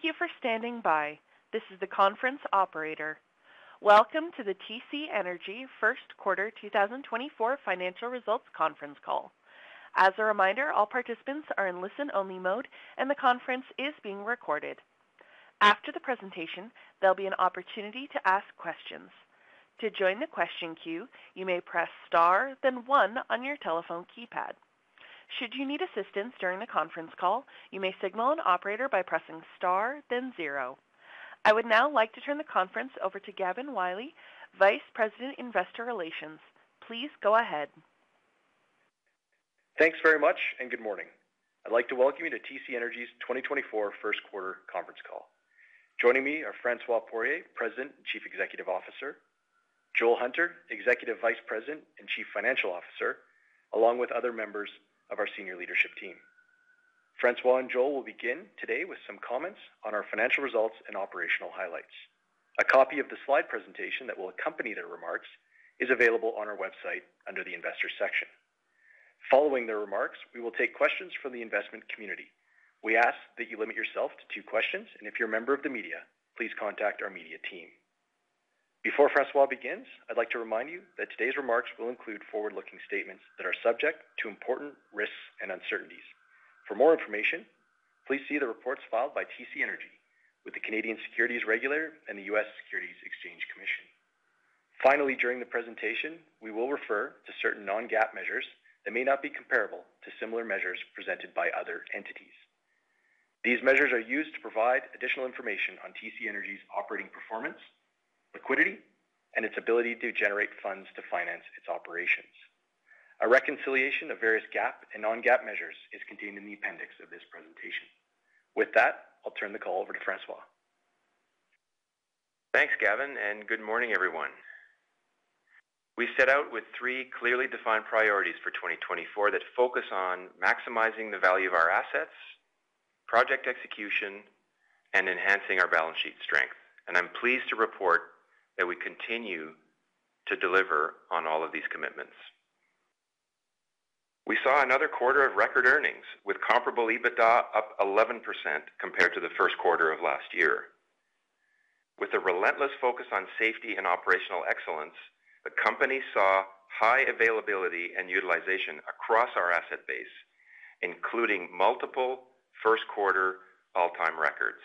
Thank you for standing by. This is the conference operator. Welcome to the TC Energy First Quarter 2024 Financial Results Conference Call. As a reminder, all participants are in listen-only mode, and the conference is being recorded. After the presentation, there'll be an opportunity to ask questions. To join the question queue, you may press Star, then one on your telephone keypad. Should you need assistance during the conference call, you may signal an operator by pressing star, then zero. I would now like to turn the conference over to Gavin Wylie, Vice President, Investor Relations. Please go ahead. Thanks very much, and good morning. I'd like to welcome you to TC Energy's 2024 First Quarter Conference Call. Joining me are François Poirier, President and Chief Executive Officer, Joel Hunter, Executive Vice President and Chief Financial Officer, along with other members of our senior leadership team. François and Joel will begin today with some comments on our financial results and operational highlights. A copy of the slide presentation that will accompany their remarks is available on our website under the Investor section. Following their remarks, we will take questions from the investment community. We ask that you limit yourself to 2 questions, and if you're a member of the media, please contact our media team. Before François begins, I'd like to remind you that today's remarks will include forward-looking statements that are subject to important risks and uncertainties. For more information, please see the reports filed by TC Energy with the Canadian Securities Regulator and the U.S. Securities and Exchange Commission. Finally, during the presentation, we will refer to certain non-GAAP measures that may not be comparable to similar measures presented by other entities. These measures are used to provide additional information on TC Energy's operating performance, liquidity, and its ability to generate funds to finance its operations. A reconciliation of various GAAP and non-GAAP measures is contained in the appendix of this presentation. With that, I'll turn the call over to François. Thanks, Gavin, and good morning, everyone. We set out with three clearly defined priorities for 2024 that focus on maximizing the value of our assets, project execution, and enhancing our balance sheet strength, and I'm pleased to report that we continue to deliver on all of these commitments. We saw another quarter of record earnings, with comparable EBITDA up 11% compared to the first quarter of last year. With a relentless focus on safety and operational excellence, the company saw high availability and utilization across our asset base, including multiple first quarter all-time records.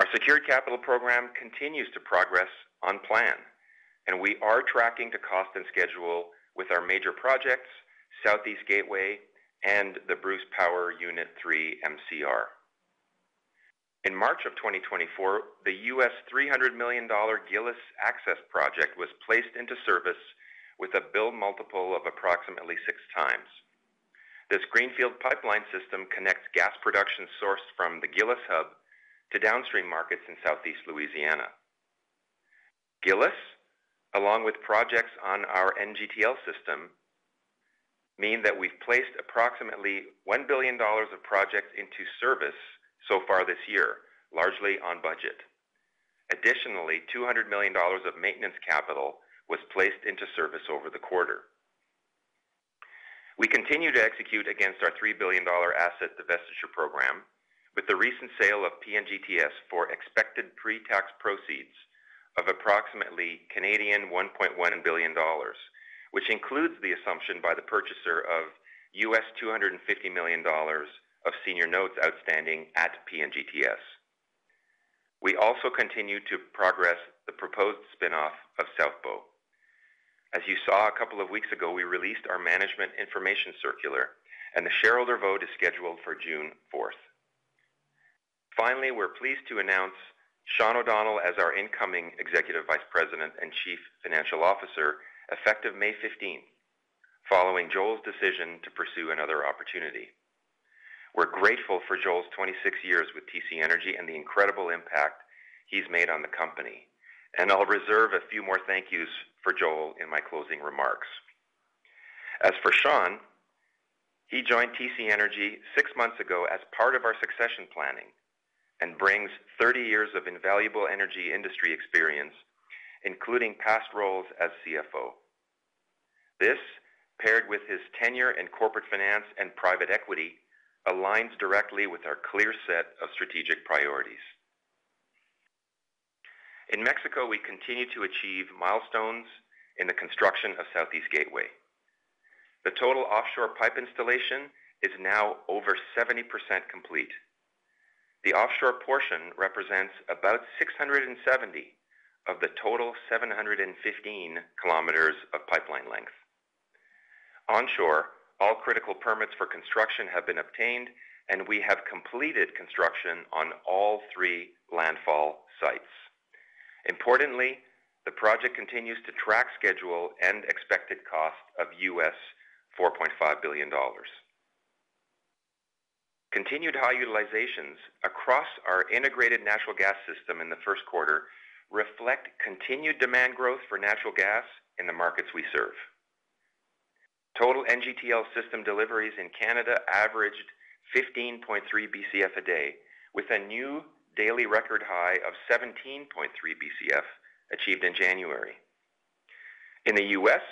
Our secured capital program continues to progress on plan, and we are tracking to cost and schedule with our major projects, Southeast Gateway and the Bruce Power Unit 3 MCR. In March 2024, the $300 million Gillis Access Project was placed into service with a build multiple of approximately 6x. This Greenfield pipeline system connects gas production sourced from the Gillis Hub to downstream markets in Southeast Louisiana. Gillis, along with projects on our NGTL system, mean that we've placed approximately 1 billion dollars of projects into service so far this year, largely on budget. Additionally, 200 million dollars of maintenance capital was placed into service over the quarter. We continue to execute against our 3 billion dollar asset divestiture program with the recent sale of PNGTS for expected pre-tax proceeds of approximately 1.1 billion Canadian dollars, which includes the assumption by the purchaser of $250 million of senior notes outstanding at PNGTS. We also continue to progress the proposed spin-off of South Bow. As you saw a couple of weeks ago, we released our Management Information Circular, and the shareholder vote is scheduled for June 4th. Finally, we're pleased to announce Sean O'Donnell as our incoming Executive Vice President and Chief Financial Officer, effective May 15, following Joel's decision to pursue another opportunity. We're grateful for Joel's 26 years with TC Energy and the incredible impact he's made on the company, and I'll reserve a few more thank yous for Joel in my closing remarks. As for Sean, he joined TC Energy 6 months ago as part of our succession planning and brings 30 years of invaluable energy industry experience, including past roles as CFO. This, paired with his tenure in corporate finance and private equity, aligns directly with our clear set of strategic priorities. In Mexico, we continue to achieve milestones in the construction of Southeast Gateway. The total offshore pipe installation is now over 70% complete. The offshore portion represents about 670 of the total 715 kilometers of pipeline length. Onshore, all critical permits for construction have been obtained, and we have completed construction on all 3 landfall sites. Importantly, the project continues to track schedule and expected cost of $45 billion. Continued high utilizations across our integrated natural gas system in the first quarter reflect continued demand growth for natural gas in the markets we serve. Total NGTL System deliveries in Canada averaged 15.3 BCF/d, with a new daily record high of 17.3 BCF achieved in January. In the U.S.,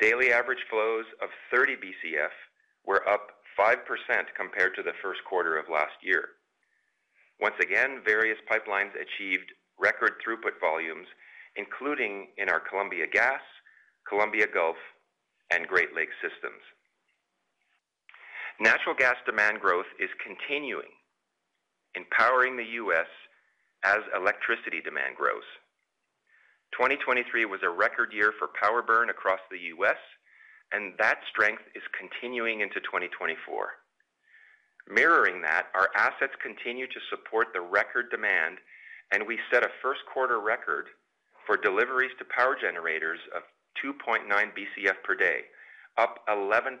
daily average flows of 30 BCF were up 5% compared to the first quarter of last year. Once again, various pipelines achieved record throughput volumes, including in our Columbia Gas, Columbia Gulf, and Great Lakes systems. Natural gas demand growth is continuing, empowering the U.S. as electricity demand grows. 2023 was a record year for power burn across the U.S., and that strength is continuing into 2024. Mirroring that, our assets continue to support the record demand, and we set a first quarter record for deliveries to power generators of 2.9 BCF/d, up 11%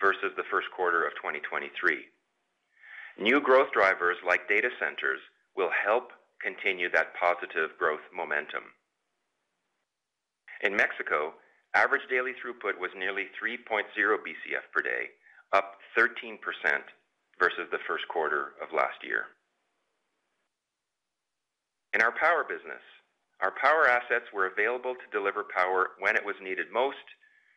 versus the first quarter of 2023. New growth drivers like data centers, will help continue that positive growth momentum. In Mexico, average daily throughput was nearly 3.0 BCF/d, up 13% versus the first quarter of last year. In our power business, our power assets were available to deliver power when it was needed most,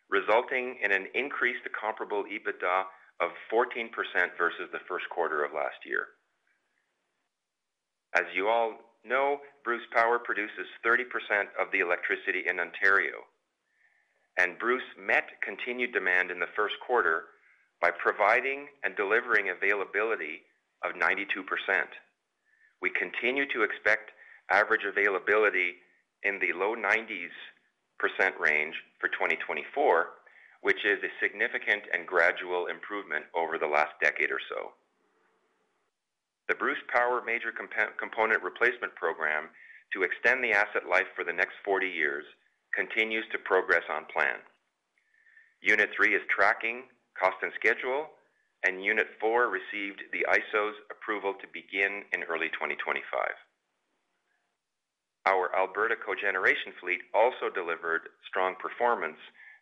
resulting in an increased comparable EBITDA of 14% versus the first quarter of last year. As you all know, Bruce Power produces 30% of the electricity in Ontario, and Bruce met continued demand in the first quarter by providing and delivering availability of 92%. We continue to expect average availability in the low 90s% range for 2024, which is a significant and gradual improvement over the last decade or so. The Bruce Power Major Component Replacement Program to extend the asset life for the next 40 years, continues to progress on plan. Unit 3 is tracking, cost and schedule, and Unit 4 received the ISO's approval to begin in early 2025. Our Alberta cogeneration fleet also delivered strong performance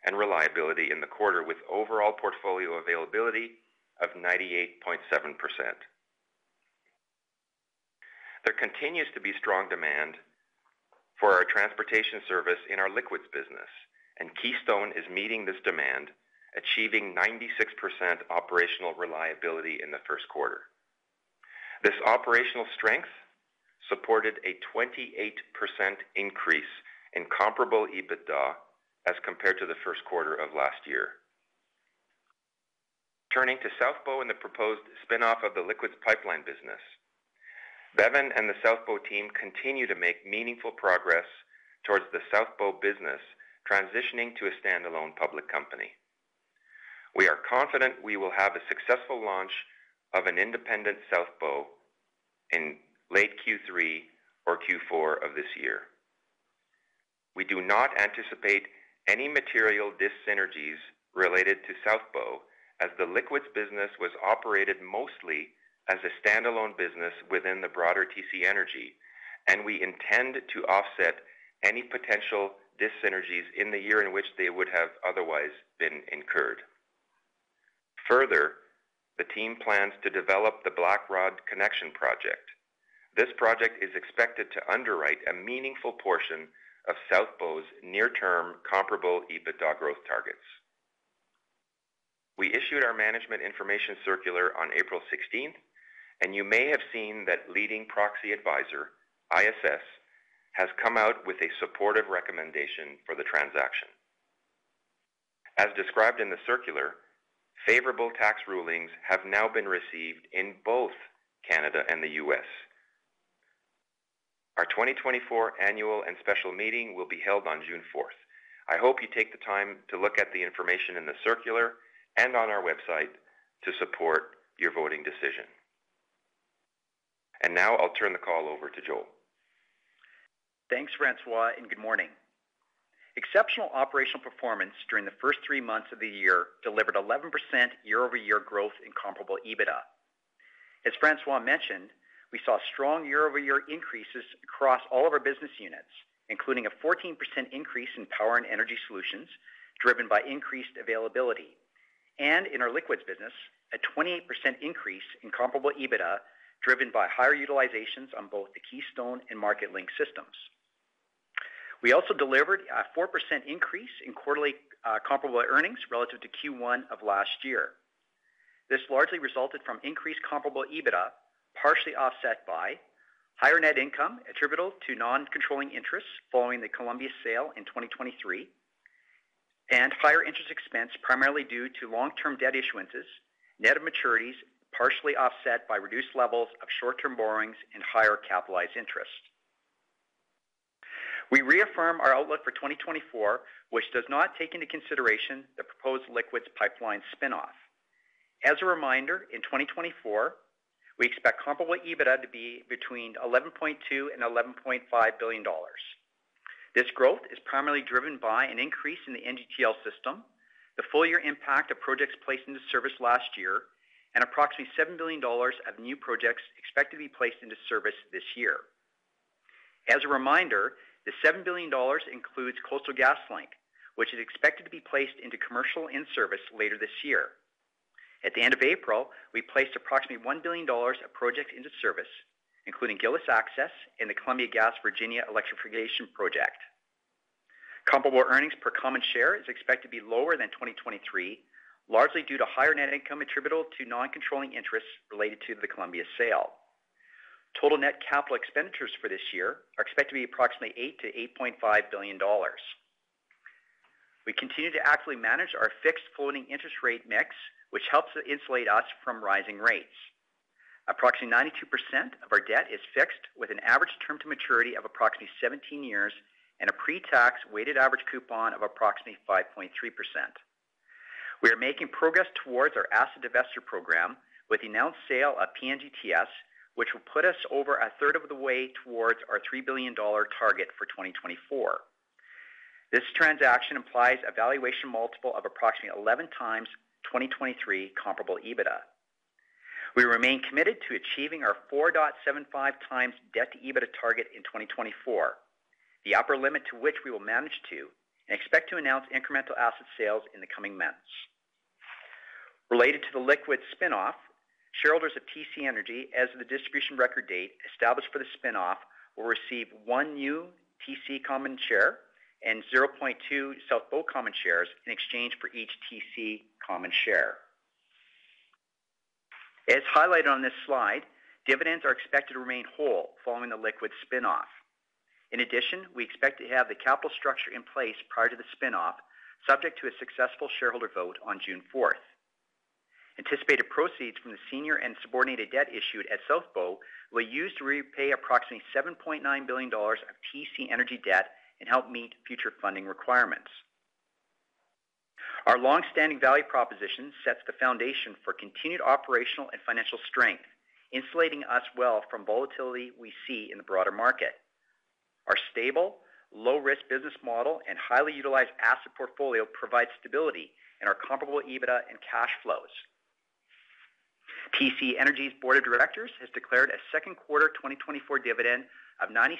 and reliability in the quarter, with overall portfolio availability of 98.7%. There continues to be strong demand for our transportation service in our liquids business, and Keystone is meeting this demand, achieving 96% operational reliability in the first quarter. This operational strength supported a 28% increase in comparable EBITDA as compared to the first quarter of last year. Turning to South Bow and the proposed spin-off of the liquids pipeline business. Bevin and the South Bow team continue to make meaningful progress towards the South Bow business, transitioning to a standalone public company. We are confident we will have a successful launch of an independent South Bow in late Q3 or Q4 of this year. We do not anticipate any material dyssynergies related to South Bow, as the liquids business was operated mostly as a standalone business within the broader TC Energy, and we intend to offset any potential dyssynergies in the year in which they would have otherwise been incurred. Further, the team plans to develop the Blackrod Connection Project. This project is expected to underwrite a meaningful portion of South Bow's near-term comparable EBITDA growth targets. We issued our Management Information Circular on April 16, and you may have seen that leading proxy advisor, ISS, has come out with a supportive recommendation for the transaction. As described in the circular, favorable tax rulings have now been received in both Canada and the U.S. Our 2024 Annual and Special Meeting will be held on June 4. I hope you take the time to look at the information in the circular and on our website to support your voting decision. Now I'll turn the call over to Joel. Thanks, François, and good morning. Exceptional operational performance during the first three months of the year delivered 11% year-over-year growth in comparable EBITDA. As François mentioned, we saw strong year-over-year increases across all of our business units, including a 14% increase in power and energy solutions, driven by increased availability. In our liquids business, a 28% increase in comparable EBITDA, driven by higher utilizations on both the Keystone and Marketlink systems. We also delivered a 4% increase in quarterly comparable earnings relative to Q1 of last year. This largely resulted from increased comparable EBITDA, partially offset by higher net income attributable to non-controlling interests following the Columbia sale in 2023, and higher interest expense, primarily due to long-term debt issuances, net of maturities, partially offset by reduced levels of short-term borrowings and higher capitalized interest. We reaffirm our outlook for 2024, which does not take into consideration the proposed liquids pipeline spin-off. As a reminder, in 2024, we expect comparable EBITDA to be between 11.2 billion and 11.5 billion dollars. This growth is primarily driven by an increase in the NGTL System, the full year impact of projects placed into service last year, and approximately 7 billion dollars of new projects expected to be placed into service this year. As a reminder, the 7 billion dollars includes Coastal GasLink, which is expected to be placed into commercial in-service later this year. At the end of April, we placed approximately 1 billion dollars of projects into service, including Gillis Access and the Columbia Gas Virginia Electrification Project. Comparable earnings per common share is expected to be lower than 2023, largely due to higher net income attributable to non-controlling interests related to the Columbia sale. Total net capital expenditures for this year are expected to be approximately $8-$8.5 billion. We continue to actively manage our fixed floating interest rate mix, which helps to insulate us from rising rates. Approximately 92% of our debt is fixed, with an average term to maturity of approximately 17 years and a pre-tax weighted average coupon of approximately 5.3%. We are making progress towards our asset divestiture program with the announced sale of PNGTS, which will put us over a third of the way towards our $3 billion target for 2024. This transaction implies a valuation multiple of approximately 11x 2023 comparable EBITDA. We remain committed to achieving our 4.75 times debt-to-EBITDA target in 2024, the upper limit to which we will manage to and expect to announce incremental asset sales in the coming months. Related to the Liquids spinoff, shareholders of TC Energy, as of the distribution record date established for the spinoff, will receive 1 new TC common share and 0.2 South Bow common shares in exchange for each TC common share. As highlighted on this slide, dividends are expected to remain whole following the Liquids spinoff. In addition, we expect to have the capital structure in place prior to the spinoff, subject to a successful shareholder vote on June 4th. Anticipated proceeds from the senior and subordinated debt issued at South Bow will be used to repay approximately $7.9 billion of TC Energy debt and help meet future funding requirements. Our long-standing value proposition sets the foundation for continued operational and financial strength, insulating us well from volatility we see in the broader market. Our stable, low-risk business model and highly utilized asset portfolio provide stability in our comparable EBITDA and cash flows. TC Energy's Board of Directors has declared a second quarter 2024 dividend of 0.96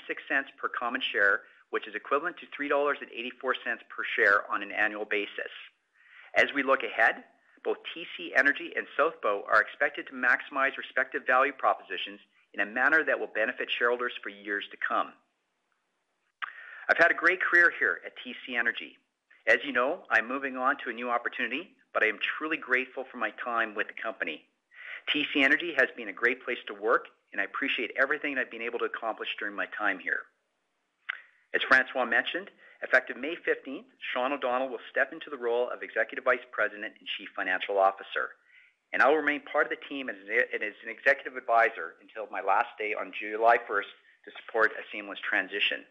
per common share, which is equivalent to 3.84 dollars per share on an annual basis. As we look ahead, both TC Energy and South Bow are expected to maximize respective value propositions in a manner that will benefit shareholders for years to come. I've had a great career here at TC Energy. As you know, I'm moving on to a new opportunity, but I am truly grateful for my time with the company. TC Energy has been a great place to work, and I appreciate everything I've been able to accomplish during my time here. As François mentioned, effective May 15th, Sean O'Donnell will step into the role of Executive Vice President and Chief Financial Officer, and I'll remain part of the team as an executive advisor until my last day on July 1st to support a seamless transition.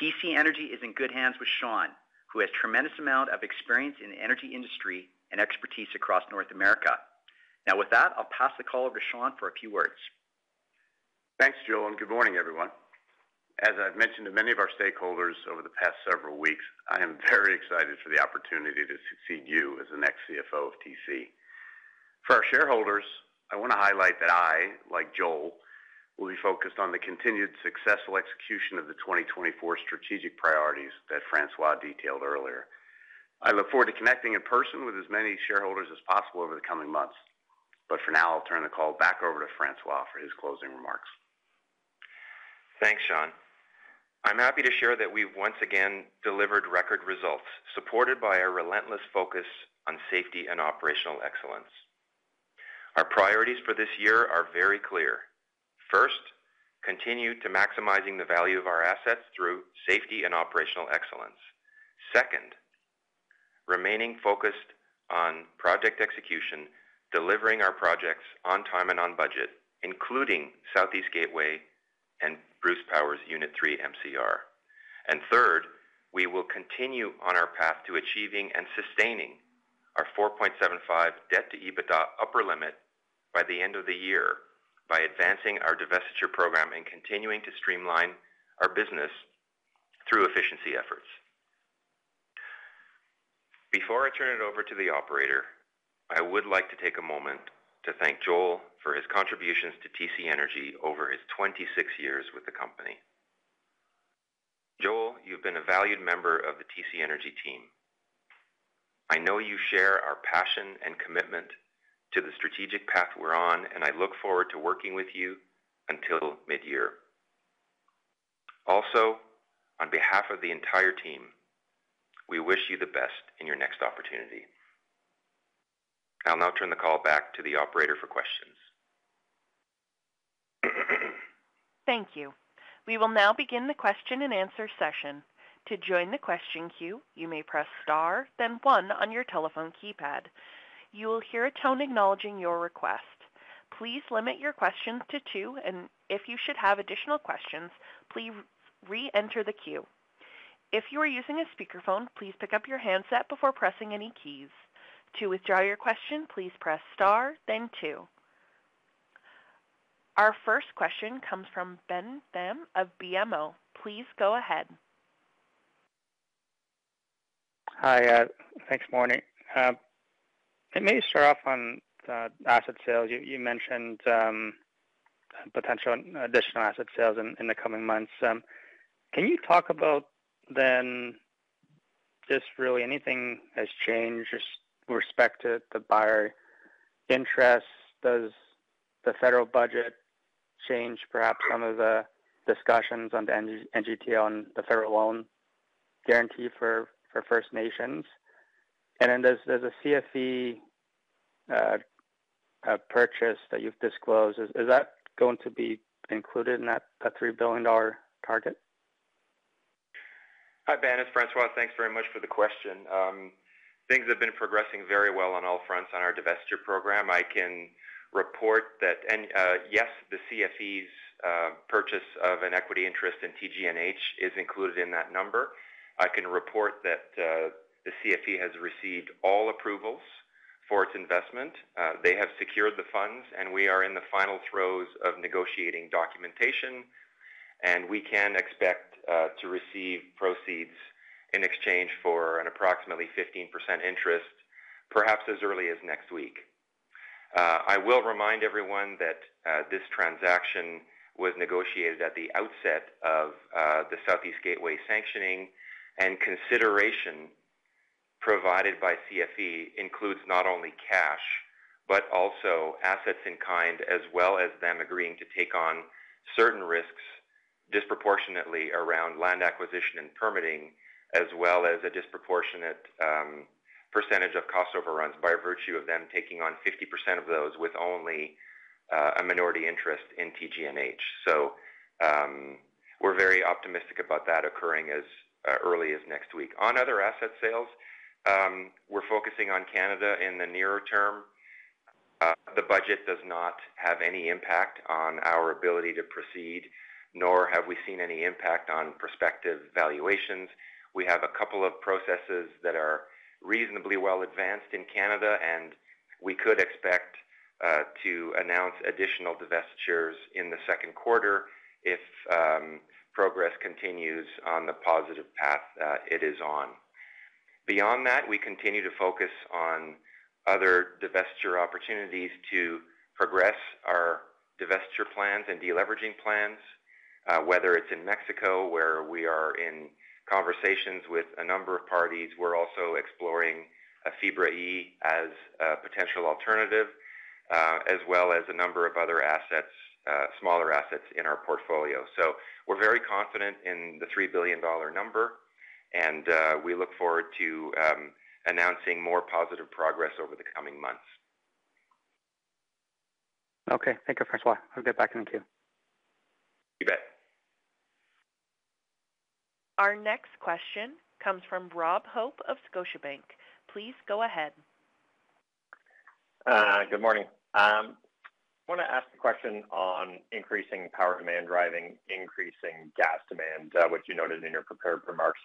TC Energy is in good hands with Sean, who has tremendous amount of experience in the energy industry and expertise across North America. Now, with that, I'll pass the call over to Sean for a few words. Thanks, Joel, and good morning, everyone. As I've mentioned to many of our stakeholders over the past several weeks, I am very excited for the opportunity to succeed you as the next CFO of TC. For our shareholders, I want to highlight that I, like Joel, will be focused on the continued successful execution of the 2024 strategic priorities that François detailed earlier. I look forward to connecting in person with as many shareholders as possible over the coming months, but for now, I'll turn the call back over to François for his closing remarks. Thanks, Sean. I'm happy to share that we've once again delivered record results, supported by our relentless focus on safety and operational excellence. Our priorities for this year are very clear. First, continue to maximizing the value of our assets through safety and operational excellence. Second, remaining focused on project execution, delivering our projects on time and on budget, including Southeast Gateway and Bruce Power's Unit 3 MCR. And third, we will continue on our path to achieving and sustaining our 4.75 debt to EBITDA upper limit by the end of the year by advancing our divestiture program and continuing to streamline our business through efficiency efforts. Before I turn it over to the operator, I would like to take a moment to thank Joel for his contributions to TC Energy over his 26 years with the company. Joel, you've been a valued member of the TC Energy team. I know you share our passion and commitment to the strategic path we're on, and I look forward to working with you until midyear. Also, on behalf of the entire team, we wish you the best in your next opportunity. I'll now turn the call back to the operator for questions. Thank you. We will now begin the question-and-answer session. To join the question queue, you may press star, then one on your telephone keypad. You will hear a tone acknowledging your request. Please limit your questions to two, and if you should have additional questions, please reenter the queue. If you are using a speakerphone, please pick up your handset before pressing any keys. To withdraw your question, please press star, then two. Our first question comes from Ben Pham of BMO. Please go ahead. Hi, thanks, morning. Let me start off on asset sales. You mentioned potential additional asset sales in the coming months. Can you talk about then, just really anything has changed with respect to the buyer interest? Does the federal budget change perhaps some of the discussions on the NGTL on the federal loan guarantee for First Nations? And then does the CFE purchase that you've disclosed, is that going to be included in that 3 billion dollar target? Hi, Ben, it's François. Thanks very much for the question. Things have been progressing very well on all fronts on our divestiture program. I can report that and, yes, the CFE's purchase of an equity interest in TGNH is included in that number. I can report that the CFE has received all approvals for its investment. They have secured the funds, and we are in the final throes of negotiating documentation, and we can expect to receive proceeds in exchange for an approximately 15% interest, perhaps as early as next week. I will remind everyone that this transaction was negotiated at the outset of the Southeast Gateway sanctioning, and consideration provided by CFE includes not only cash, but also assets in kind, as well as them agreeing to take on certain risks disproportionately around land acquisition and permitting, as well as a disproportionate percentage of cost overruns, by virtue of them taking on 50% of those with only a minority interest in TGNH. So, we're very optimistic about that occurring as early as next week. On other asset sales, we're focusing on Canada in the nearer term. The budget does not have any impact on our ability to proceed, nor have we seen any impact on prospective valuations. We have a couple of processes that are reasonably well advanced in Canada, and we could expect to announce additional divestitures in the second quarter if progress continues on the positive path that it is on. Beyond that, we continue to focus on other divestiture opportunities to progress our divestiture plans and deleveraging plans, whether it's in Mexico, where we are in conversations with a number of parties. We're also exploring a Fibra E as a potential alternative, as well as a number of other assets, smaller assets in our portfolio. So we're very confident in the 3 billion dollar number, and we look forward to announcing more positive progress over the coming months. Okay. Thank you, François. I'll get back in the queue. You bet. Our next question comes from Rob Hope of Scotiabank. Please go ahead. Good morning. I want to ask a question on increasing power demand, driving increasing gas demand, which you noted in your prepared remarks.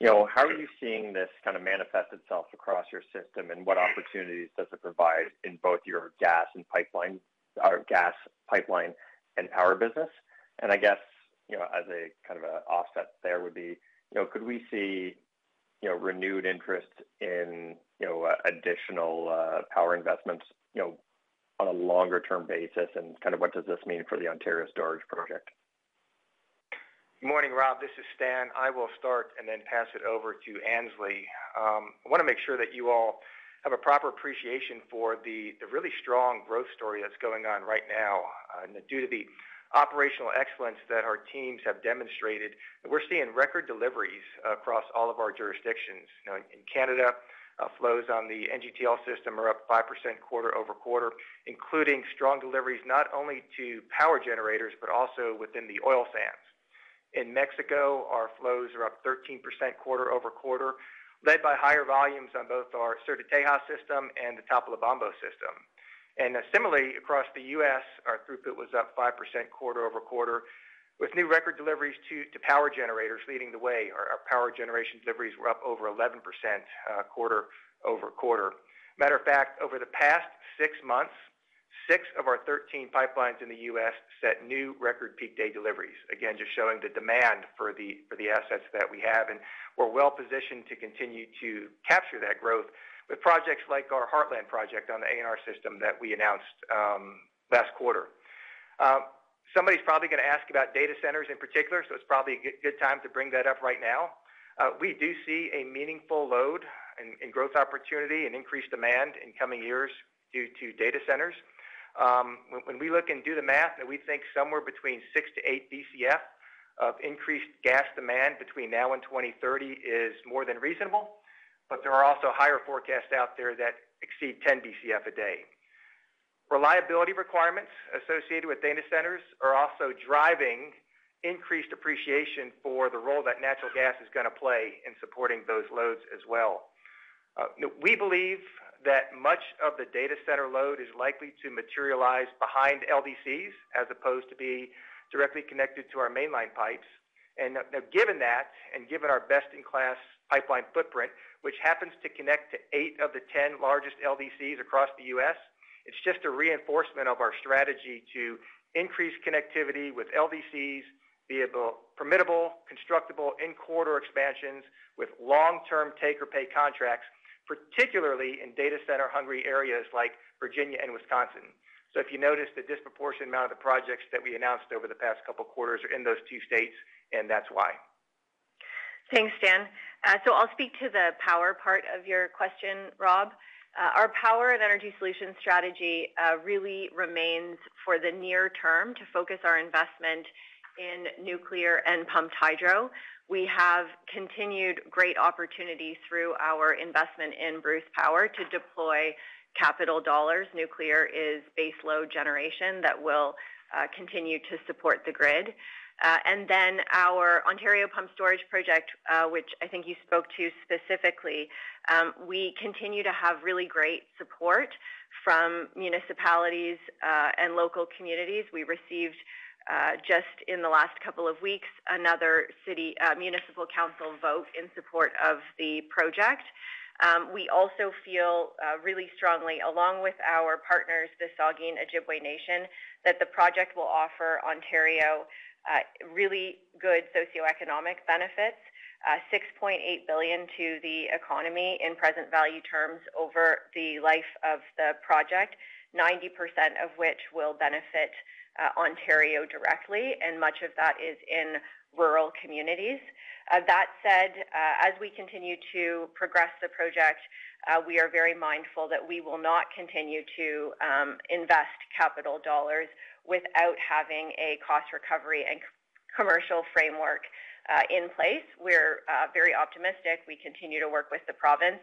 You know, how are you seeing this kind of manifest itself across your system, and what opportunities does it provide in both your gas and pipeline. Or gas, pipeline, and power business? And I guess, you know, as a kind of a offset, there would be, you know, could we see, you know, renewed interest in, you know, additional, power investments, you know, on a longer-term basis, and kind of what does this mean for the Ontario storage project? Good morning, Rob. This is Stan. I will start and then pass it over to Annesley. I want to make sure that you all have a proper appreciation for the, the really strong growth story that's going on right now. Due to the operational excellence that our teams have demonstrated, we're seeing record deliveries across all of our jurisdictions. You know, in Canada, flows on the NGTL System are up 5% quarter-over-quarter, including strong deliveries, not only to power generators, but also within the oil sands. In Mexico, our flows are up 13% quarter-over-quarter, led by higher volumes on both our Sur de Texas system and the Topolobampo system. And similarly, across the U.S., our throughput was up 5% quarter-over-quarter, with new record deliveries to power generators leading the way. Our, our power generation deliveries were up over 11%, quarter-over-quarter. Matter of fact, over the past six months, six of our 13 pipelines in the U.S. set new record peak day deliveries. Again, just showing the demand for the, for the assets that we have, and we're well-positioned to continue to capture that growth with projects like our Heartland Project on the ANR Pipeline system that we announced last quarter. Somebody's probably going to ask about data centers in particular, so it's probably a good time to bring that up right now. We do see a meaningful load and growth opportunity and increased demand in coming years due to data centers. When we look and do the math, we think somewhere between 6-8 BCF of increased gas demand between now and 2030 is more than reasonable, but there are also higher forecasts out there that exceed 10 BCF a day. Reliability requirements associated with data centers are also driving increased appreciation for the role that natural gas is going to play in supporting those loads as well. We believe that much of the data center load is likely to materialize behind LDCs, as opposed to be directly connected to our mainline pipes. And now, given that, and given our best-in-class pipeline footprint, which happens to connect to eight of the 10 largest LDCs across the U.S., it's just a reinforcement of our strategy to increase connectivity with LDCs, be it build permittable, constructable, in-quarter expansions with long-term take-or-pay contracts, particularly in data center-hungry areas like Virginia and Wisconsin. So if you notice, the disproportionate amount of the projects that we announced over the past couple of quarters are in those two states, and that's why. Thanks, Stan. So I'll speak to the power part of your question, Rob. Our power and energy solutions strategy really remains for the near term to focus our investment in nuclear and pumped hydro. We have continued great opportunities through our investment in Bruce Power to deploy capital dollars. Nuclear is baseload generation that will continue to support the grid. And then our Ontario Pumped Storage Project, which I think you spoke to specifically, we continue to have really great support from municipalities and local communities. We received just in the last couple of weeks, another city municipal council vote in support of the project. We also feel really strongly, along with our partners, the Saugeen Ojibway Nation, that the project will offer Ontario really good socioeconomic benefits, 6.8 billion to the economy in present value terms over the life of the project, 90% of which will benefit Ontario directly, and much of that is in rural communities. That said, as we continue to progress the project, we are very mindful that we will not continue to invest capital dollars without having a cost recovery and commercial framework in place. We're very optimistic. We continue to work with the province,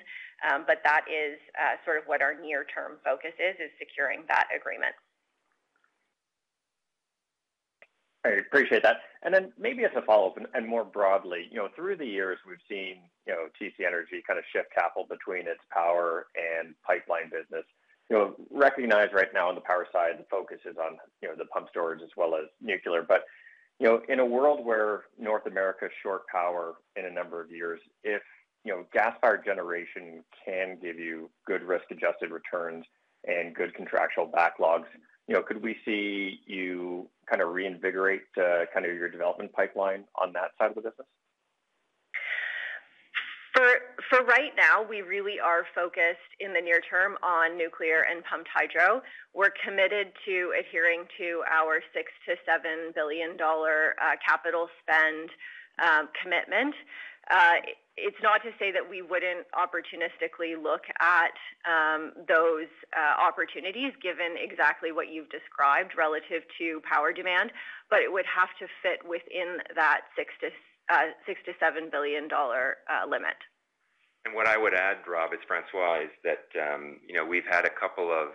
but that is sort of what our near-term focus is, is securing that agreement. I appreciate that. And then maybe as a follow-up and more broadly, you know, through the years, we've seen, you know, TC Energy kind of shift capital between its power and pipeline business. You know, recognize right now on the power side, the focus is on, you know, the pump storage as well as nuclear. But, you know, in a world where North America is short power in a number of years, if, you know, gas-fired generation can give you good risk-adjusted returns and good contractual backlogs, you know, could we see you kind of reinvigorate kind of your development pipeline on that side of the business? Right now, we really are focused in the near term on nuclear and pumped hydro. We're committed to adhering to our 6 billion-7 billion dollar capital spend commitment. It's not to say that we wouldn't opportunistically look at those opportunities, given exactly what you've described relative to power demand, but it would have to fit within that 6 billion-7 billion dollar limit. And what I would add, Rob, it's François, is that, you know, we've had a couple of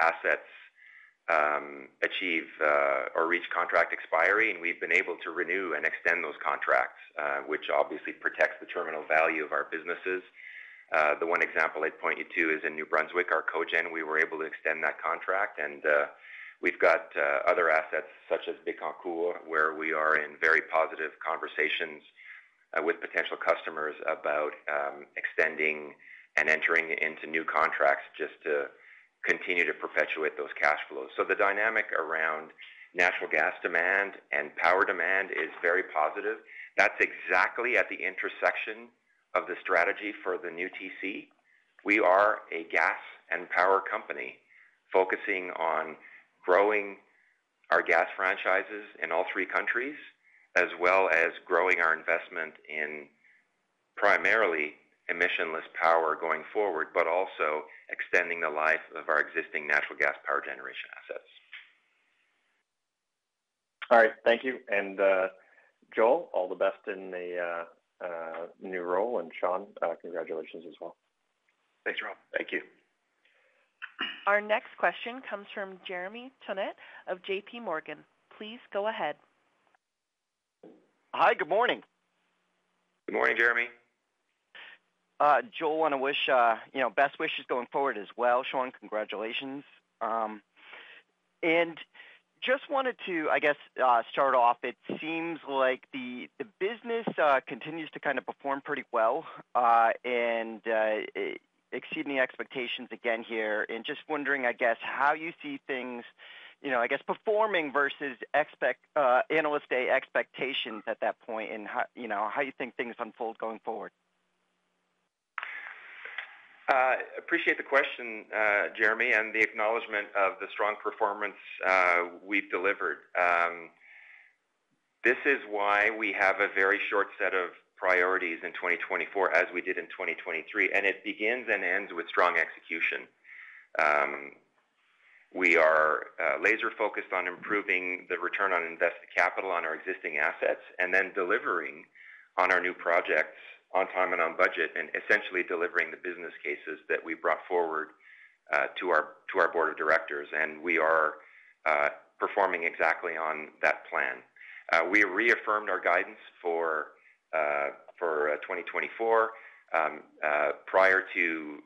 assets achieve or reach contract expiry, and we've been able to renew and extend those contracts, which obviously protects the terminal value of our businesses. The one example I'd point you to is in New Brunswick, our cogen. We were able to extend that contract, and we've got other assets such as Bécancour, where we are in very positive conversations with potential customers about extending and entering into new contracts just to continue to perpetuate those cash flows. So the dynamic around natural gas demand and power demand is very positive. That's exactly at the intersection of the strategy for the new TC. We are a gas and power company focusing on growing our gas franchises in all three countries, as well as growing our investment in primarily emissionless power going forward, but also extending the life of our existing natural gas power generation assets. All right, thank you. And, Joel, all the best in the new role, and, Sean, congratulations as well. Thanks, Rob. Thank you. Our next question comes from Jeremy Tonet of JPMorgan. Please go ahead. Hi, good morning. Good morning, Jeremy. Joel, want to wish, you know, best wishes going forward as well. Sean, congratulations. And just wanted to, I guess, start off. It seems like the business continues to kind of perform pretty well, and exceeding the expectations again here. And just wondering, I guess, how you see things, you know, I guess, performing versus analyst day expectations at that point, and how, you know, how you think things unfold going forward? Appreciate the question, Jeremy, and the acknowledgment of the strong performance we've delivered. This is why we have a very short set of priorities in 2024, as we did in 2023, and it begins and ends with strong execution. We are laser-focused on improving the return on invested capital on our existing assets, and then delivering on our new projects on time and on budget, and essentially delivering the business cases that we brought forward to our board of directors, and we are performing exactly on that plan. We reaffirmed our guidance for 2024 prior to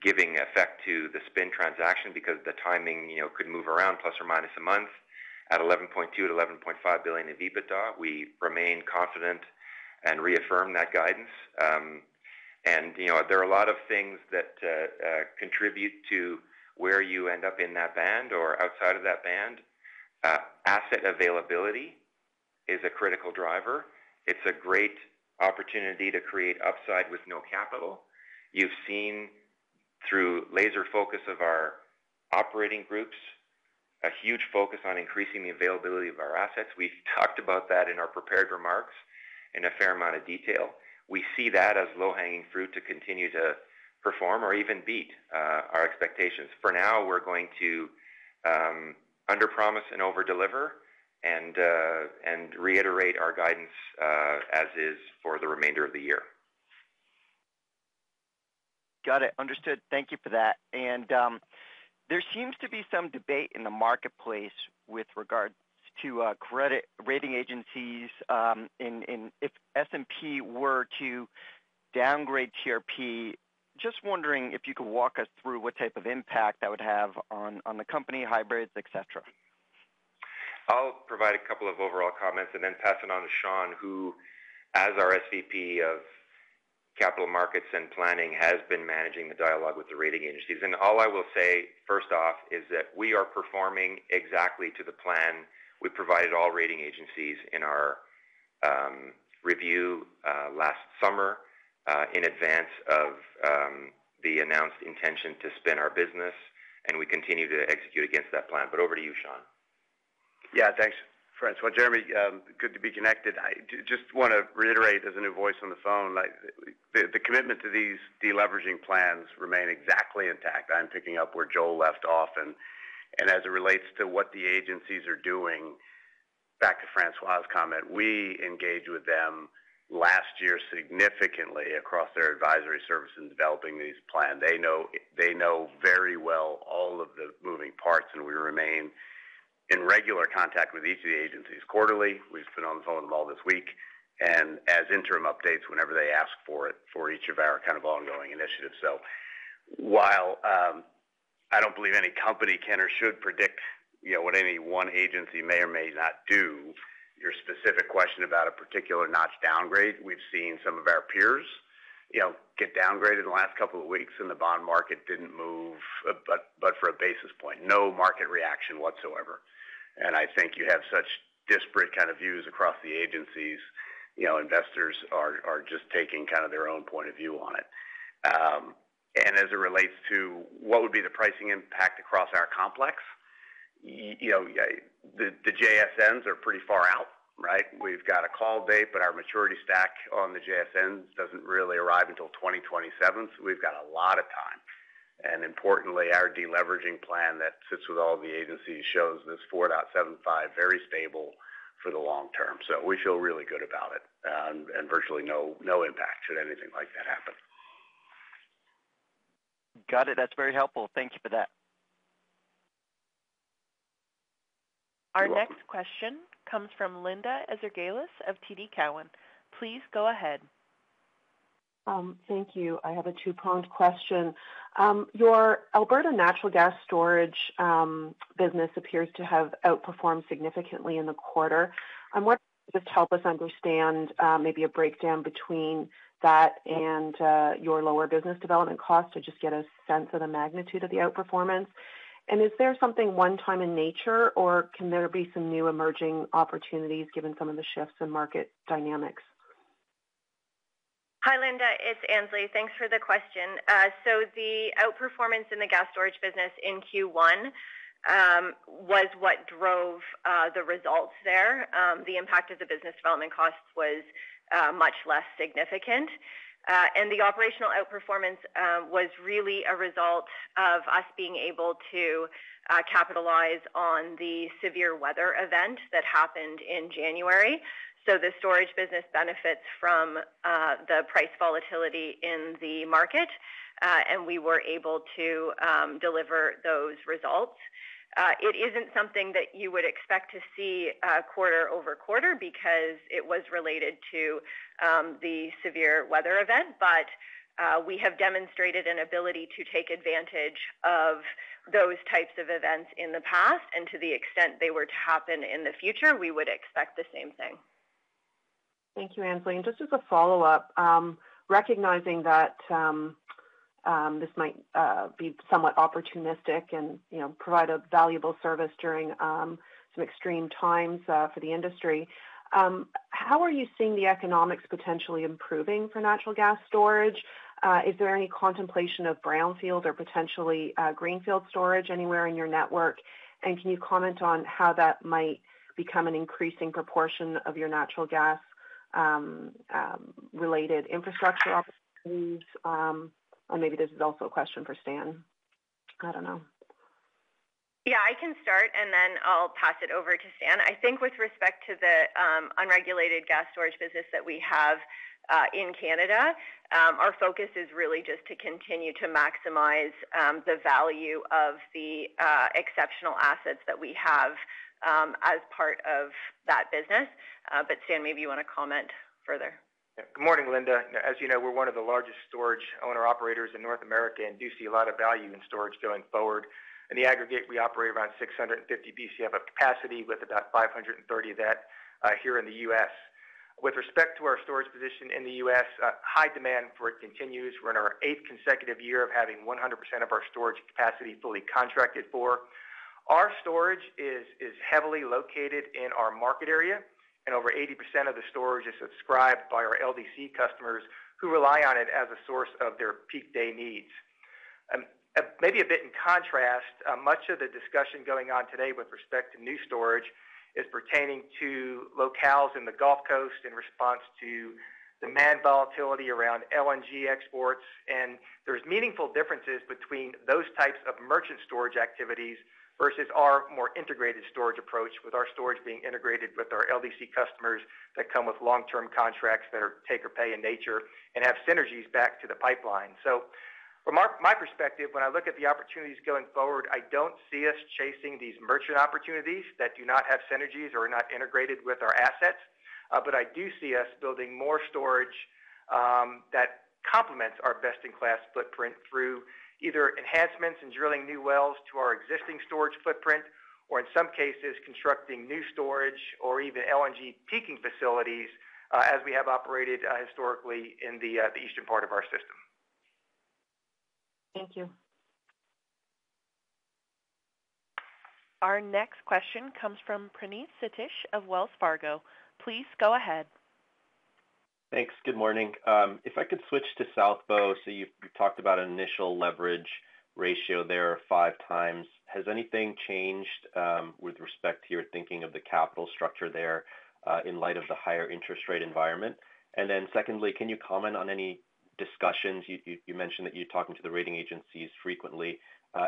giving effect to the spin transaction because the timing, you know, could move around plus or minus a month. At 11.2 billion-11.5 billion in EBITDA, we remain confident and reaffirm that guidance. And, you know, there are a lot of things that contribute to where you end up in that band or outside of that band. Asset availability is a critical driver. It's a great opportunity to create upside with no capital. You've seen through laser focus of our operating groups a huge focus on increasing the availability of our assets. We've talked about that in our prepared remarks in a fair amount of detail. We see that as low-hanging fruit to continue to perform or even beat our expectations. For now, we're going to underpromise and overdeliver, and, and reiterate our guidance as is for the remainder of the year. Got it. Understood. Thank you for that. And there seems to be some debate in the marketplace with regards to credit rating agencies, and if S&P were to downgrade TRP. Just wondering if you could walk us through what type of impact that would have on the company, hybrids, et cetera. I'll provide a couple of overall comments and then pass it on to Sean, who, as our SVP of Capital Markets and Planning, has been managing the dialogue with the rating agencies. All I will say, first off, is that we are performing exactly to the plan we provided all rating agencies in our review last summer in advance of the announced intention to spin our business, and we continue to execute against that plan. But over to you, Sean. Yeah, thanks, François. Jeremy, good to be connected. I just want to reiterate, as a new voice on the phone, like, the commitment to these deleveraging plans remain exactly intact. I'm picking up where Joel left off, and as it relates to what the agencies are doing, back to François's comment, we engaged with them last year significantly across their advisory service in developing these plans. They know, they know very well all of the moving parts, and we remain in regular contact with each of the agencies quarterly. We've been on the phone with them all this week, and as interim updates, whenever they ask for it, for each of our kind of ongoing initiatives. So while, I don't believe any company can or should predict, you know, what any one agency may or may not do, your specific question about a particular notch downgrade, we've seen some of our peers, you know, get downgraded in the last couple of weeks, and the bond market didn't move, but for a basis point. No market reaction whatsoever. And I think you have such disparate kind of views across the agencies, you know, investors are just taking kind of their own point of view on it. And as it relates to what would be the pricing impact across our complex, you know, the JSNs are pretty far out, right? We've got a call date, but our maturity stack on the JSNs doesn't really arrive until 2027, so we've got a lot of time. Importantly, our deleveraging plan that sits with all the agencies shows this 4.75, very stable for the long term. So we feel really good about it, and virtually no impact should anything like that happen. Got it. That's very helpful. Thank you for that. Our next question comes from Linda Ezergailis of TD Cowen. Please go ahead. Thank you. I have a two-pronged question. Your Alberta natural gas storage business appears to have outperformed significantly in the quarter. I'm wondering, just help us understand, maybe a breakdown between that and your lower business development costs to just get a sense of the magnitude of the outperformance. And is there something one-time in nature, or can there be some new emerging opportunities given some of the shifts in market dynamics? Hi, Linda, it's Annesley. Thanks for the question. So the outperformance in the gas storage business in Q1 was what drove the results there. The impact of the business development costs was much less significant. And the operational outperformance was really a result of us being able to capitalize on the severe weather event that happened in January. So the storage business benefits from the price volatility in the market and we were able to deliver those results. It isn't something that you would expect to see quarter-over-quarter because it was related to the severe weather event. But we have demonstrated an ability to take advantage of those types of events in the past, and to the extent they were to happen in the future, we would expect the same thing. Thank you, Annesley. Just as a follow-up, recognizing that, this might be somewhat opportunistic and, you know, provide a valuable service during, some extreme times, for the industry, how are you seeing the economics potentially improving for natural gas storage? Is there any contemplation of brownfield or potentially, greenfield storage anywhere in your network? Can you comment on how that might become an increasing proportion of your natural gas, related infrastructure opportunities? Maybe this is also a question for Stan. I don't know. Yeah, I can start, and then I'll pass it over to Stan. I think with respect to the unregulated gas storage business that we have in Canada, our focus is really just to continue to maximize the value of the exceptional assets that we have as part of that business. But Stan, maybe you want to comment further. Good morning, Linda. As you know, we're one of the largest storage owner-operators in North America and do see a lot of value in storage going forward. In the aggregate, we operate around 650 Bcf of capacity, with about 530 of that here in the U.S. With respect to our storage position in the U.S., high demand for it continues. We're in our eighth consecutive year of having 100% of our storage capacity fully contracted for. Our storage is heavily located in our market area, and over 80% of the storage is subscribed by our LDC customers who rely on it as a source of their peak day needs. Maybe a bit in contrast, much of the discussion going on today with respect to new storage is pertaining to locales in the Gulf Coast in response to demand volatility around LNG exports. And there's meaningful differences between those types of merchant storage activities versus our more integrated storage approach, with our storage being integrated with our LDC customers that come with long-term contracts that are take-or-pay in nature and have synergies back to the pipeline. So from my, my perspective, when I look at the opportunities going forward, I don't see us chasing these merchant opportunities that do not have synergies or are not integrated with our assets. But I do see us building more storage that complements our best-in-class footprint through either enhancements and drilling new wells to our existing storage footprint, or in some cases, constructing new storage or even LNG peaking facilities, as we have operated historically in the eastern part of our system. Thank you. Our next question comes from Praneeth Satish of Wells Fargo. Please go ahead. Thanks. Good morning. If I could switch to South Bow. So you've talked about an initial leverage ratio there 5 times. Has anything changed with respect to your thinking of the capital structure there in light of the higher interest rate environment? And then secondly, can you comment on any discussions? You mentioned that you're talking to the rating agencies frequently.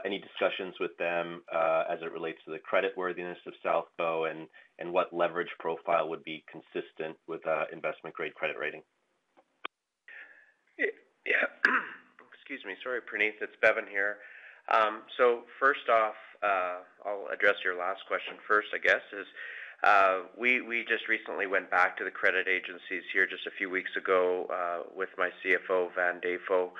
Any discussions with them as it relates to the creditworthiness of South Bow and what leverage profile would be consistent with investment-grade credit rating? Yeah. Excuse me. Sorry, Praneeth, it's Bevin here. So first off, I'll address your last question first, I guess is, we just recently went back to the credit agencies here just a few weeks ago, with my CFO, Van Dafoe,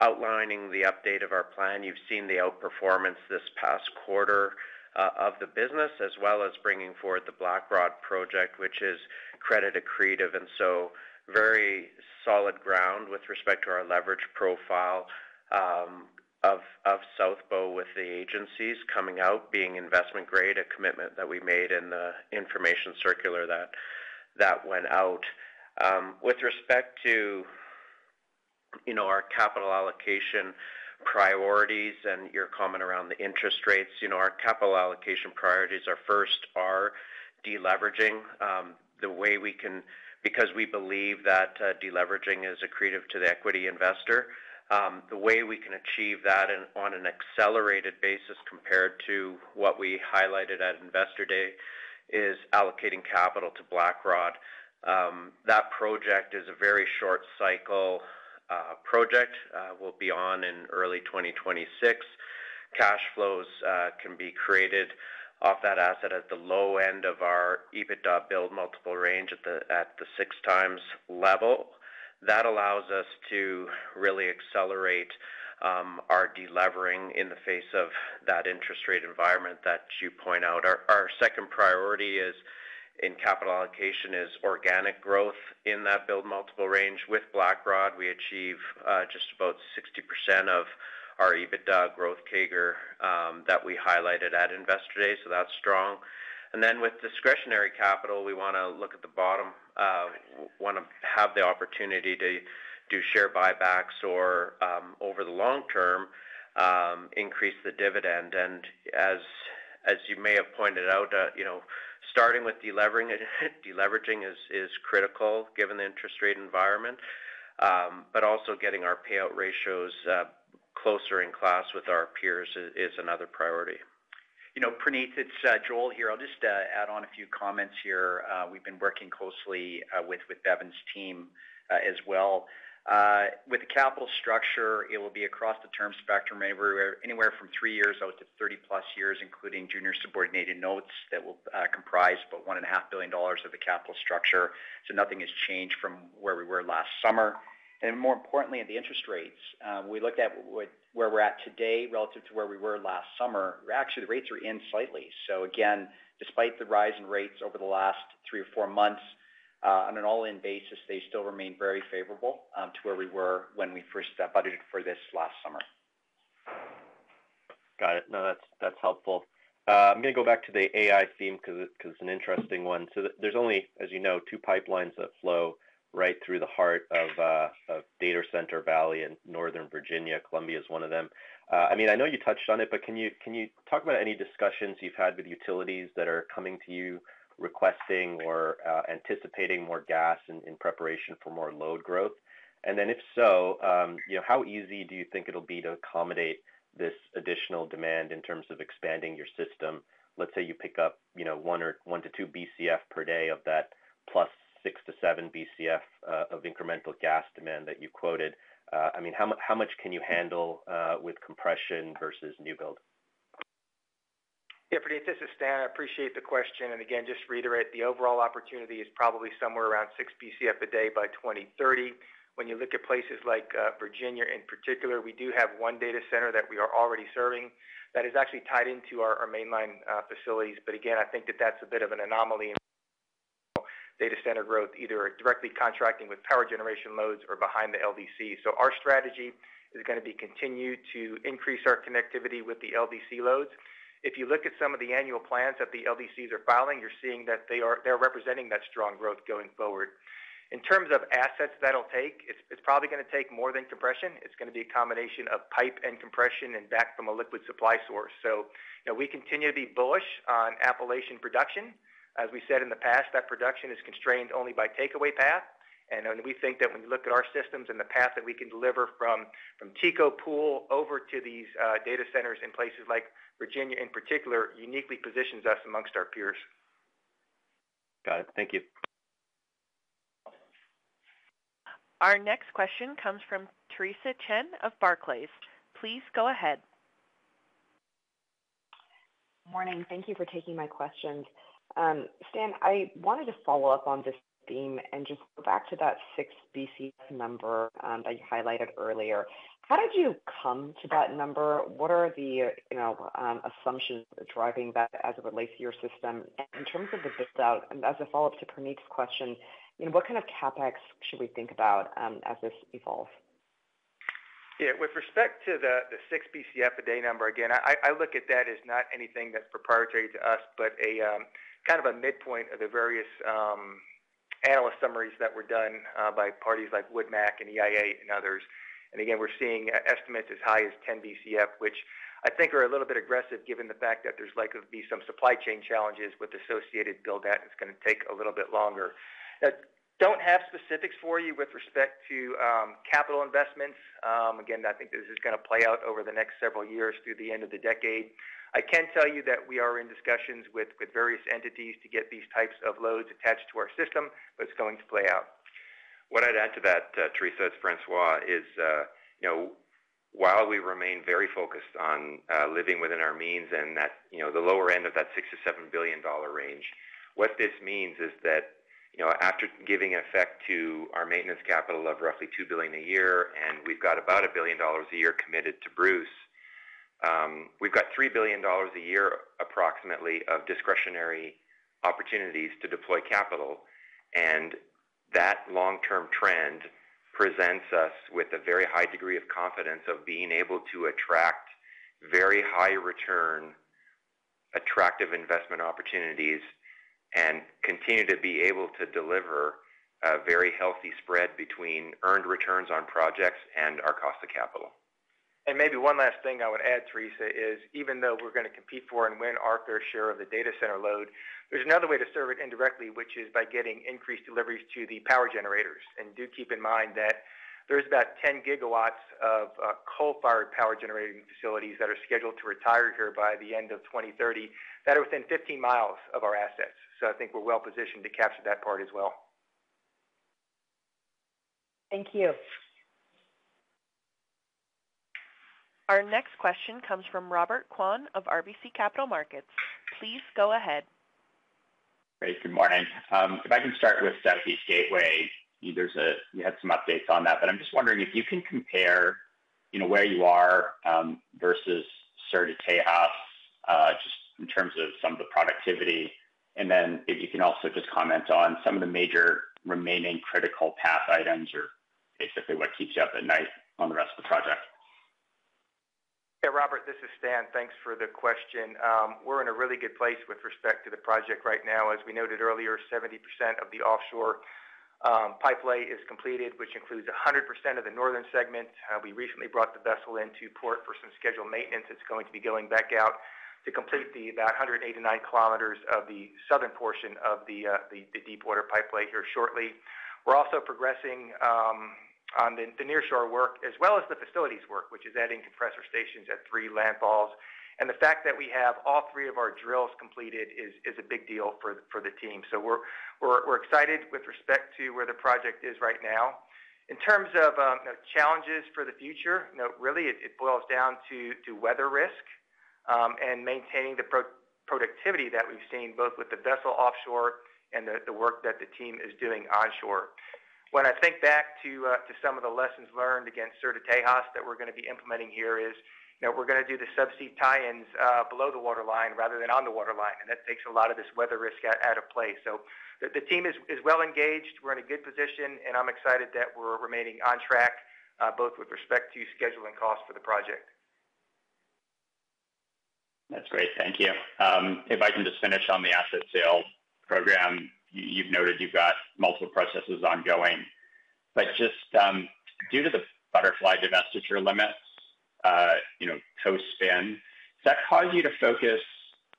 outlining the update of our plan. You've seen the outperformance this past quarter of the business, as well as bringing forward the Blackrod project, which is credit accretive, and so very solid ground with respect to our leverage profile of South Bow with the agencies coming out, being investment-grade, a commitment that we made in the information circular that went out. With respect to, you know, our capital allocation priorities and your comment around the interest rates, you know, our capital allocation priorities are first are deleveraging. The way we can, because we believe that, deleveraging is accretive to the equity investor. The way we can achieve that and on an accelerated basis compared to what we highlighted at Investor Day, is allocating capital to Blackrod. That project is a very short cycle, project, will be on in early 2026. Cash flows can be created off that asset at the low end of our EBITDA build multiple range at the 6x level. That allows us to really accelerate our deleveraging in the face of that interest rate environment that you point out. Our second priority, in capital allocation, is organic growth in that build multiple range. With Blackrod, we achieve just about 60% of our EBITDA growth CAGR that we highlighted at Investor Day, so that's strong. And then with discretionary capital, we wanna look at the bottom, wanna have the opportunity to do share buybacks or, over the long term, increase the dividend. And as you may have pointed out, you know, starting with delevering, deleveraging is critical given the interest rate environment, but also getting our payout ratios closer in class with our peers is another priority. You know, Praneeth, it's Joel here. I'll just add on a few comments here. We've been working closely with Bevin's team as well. With the capital structure, it will be across the term spectrum, anywhere from three years out to 30+ years, including junior subordinated notes that will comprise about 1.5 billion dollars of the capital structure. So nothing has changed from where we were last summer. And more importantly, at the interest rates, we looked at where we're at today relative to where we were last summer, actually, the rates are in slightly. So again, despite the rise in rates over the last three or four months, on an all-in basis, they still remain very favorable to where we were when we first budgeted for this last summer. Got it. No, that's helpful. I'm gonna go back to the AI theme because it's an interesting one. So there's only, as you know, two pipelines that flow right through the heart of Data Center Valley in Northern Virginia. Columbia is one of them. I mean, I know you touched on it, but can you talk about any discussions you've had with utilities that are coming to you, requesting or anticipating more gas in preparation for more load growth? And then, if so, you know, how easy do you think it'll be to accommodate this additional demand in terms of expanding your system? Let's say you pick up, you know, 1 or 1-2 BCF/d of that plus 6-7 BCF of incremental gas demand that you quoted. I mean, how much can you handle with compression versus new build? Yeah, Praneeth, this is Stan. I appreciate the question, and again, just to reiterate, the overall opportunity is probably somewhere around 6 BCF/d by 2030. When you look at places like Virginia in particular, we do have one data center that we are already serving that is actually tied into our mainline facilities. But again, I think that that's a bit of an anomaly, and data center growth, either directly contracting with power generation loads or behind the LDC. So our strategy is going to be continued to increase our connectivity with the LDC loads. If you look at some of the annual plans that the LDCs are filing, you're seeing that they're representing that strong growth going forward. In terms of assets that'll take, it's probably going to take more than compression. It's going to be a combination of pipe and compression and back from a liquid supply source. So, you know, we continue to be bullish on Appalachian production. As we said in the past, that production is constrained only by takeaway path. And then we think that when you look at our systems and the path that we can deliver from, from TCO pool over to these, data centers in places like Virginia, in particular, uniquely positions us amongst our peers. Got it. Thank you. Our next question comes from Theresa Chen of Barclays. Please go ahead. Morning. Thank you for taking my questions. Stan, I wanted to follow up on this theme and just go back to that 6 BCF number, that you highlighted earlier. How did you come to that number? What are the, you know, assumptions driving that as it relates to your system? In terms of the build-out, and as a follow-up to Praneeth's question, you know, what kind of CapEx should we think about, as this evolves? Yeah, with respect to the 6 BCF/d number, again, I look at that as not anything that's proprietary to us, but a kind of a midpoint of the various analyst summaries that were done by parties like Woodmac and EIA and others. And again, we're seeing estimates as high as 10 BCF, which I think are a little bit aggressive, given the fact that there's likely to be some supply chain challenges with associated build-out, and it's going to take a little bit longer. I don't have specifics for you with respect to capital investments. Again, I think this is going to play out over the next several years through the end of the decade. I can tell you that we are in discussions with various entities to get these types of loads attached to our system, but it's going to play out. What I'd add to that, Theresa, it's François, is, you know, while we remain very focused on living within our means and that, you know, the lower end of that 6 billion-7 billion dollar range, what this means is that, you know, after giving effect to our maintenance capital of roughly 2 billion a year, and we've got about 1 billion dollars a year committed to Bruce, we've got 3 billion dollars a year, approximately, of discretionary opportunities to deploy capital. And that long-term trend presents us with a very high degree of confidence of being able to attract very high return, attractive investment opportunities, and continue to be able to deliver a very healthy spread between earned returns on projects and our cost of capital. Maybe one last thing I would add, Theresa, is even though we're going to compete for and win our fair share of the data center load, there's another way to serve it indirectly, which is by getting increased deliveries to the power generators. Do keep in mind that there's about 10 GW of coal-fired power generating facilities that are scheduled to retire here by the end of 2030, that are within 15 miles of our assets. So I think we're well-positioned to capture that part as well. Thank you. Our next question comes from Robert Kwan of RBC Capital Markets. Please go ahead. Great. Good morning. If I can start with Southeast Gateway, there's a you had some updates on that, but I'm just wondering if you can compare, you know, where you are, versus Sur de Texas, just in terms of some of the productivity. And then if you can also just comment on some of the major remaining critical path items or basically what keeps you up at night on the rest of the project. Yeah, Robert, this is Stan. Thanks for the question. We're in a really good place with respect to the project right now. As we noted earlier, 70% of the offshore pipe lay is completed, which includes 100% of the northern segment. We recently brought the vessel into port for some scheduled maintenance. It's going to be going back out to complete about 189 kilometers of the southern portion of the deepwater pipe lay here shortly. We're also progressing on the nearshore work as well as the facilities work, which is adding compressor stations at three landfalls. The fact that we have all three of our drills completed is a big deal for the team. So we're excited with respect to where the project is right now. In terms of challenges for the future, you know, really, it, it boils down to, to weather risk, and maintaining the pro-productivity that we've seen, both with the vessel offshore and the, the work that the team is doing onshore. When I think back to some of the lessons learned against Sur de Texas that we're going to be implementing here is, you know, we're going to do the subsea tie-ins below the waterline rather than on the waterline, and that takes a lot of this weather risk out, out of play. So the team is, is well engaged. We're in a good position, and I'm excited that we're remaining on track both with respect to schedule and cost for the project. That's great. Thank you. If I can just finish on the asset sales program. You've noted you've got multiple processes ongoing, but just, due to the butterfly divestiture limits, you know, co-spin, does that cause you to focus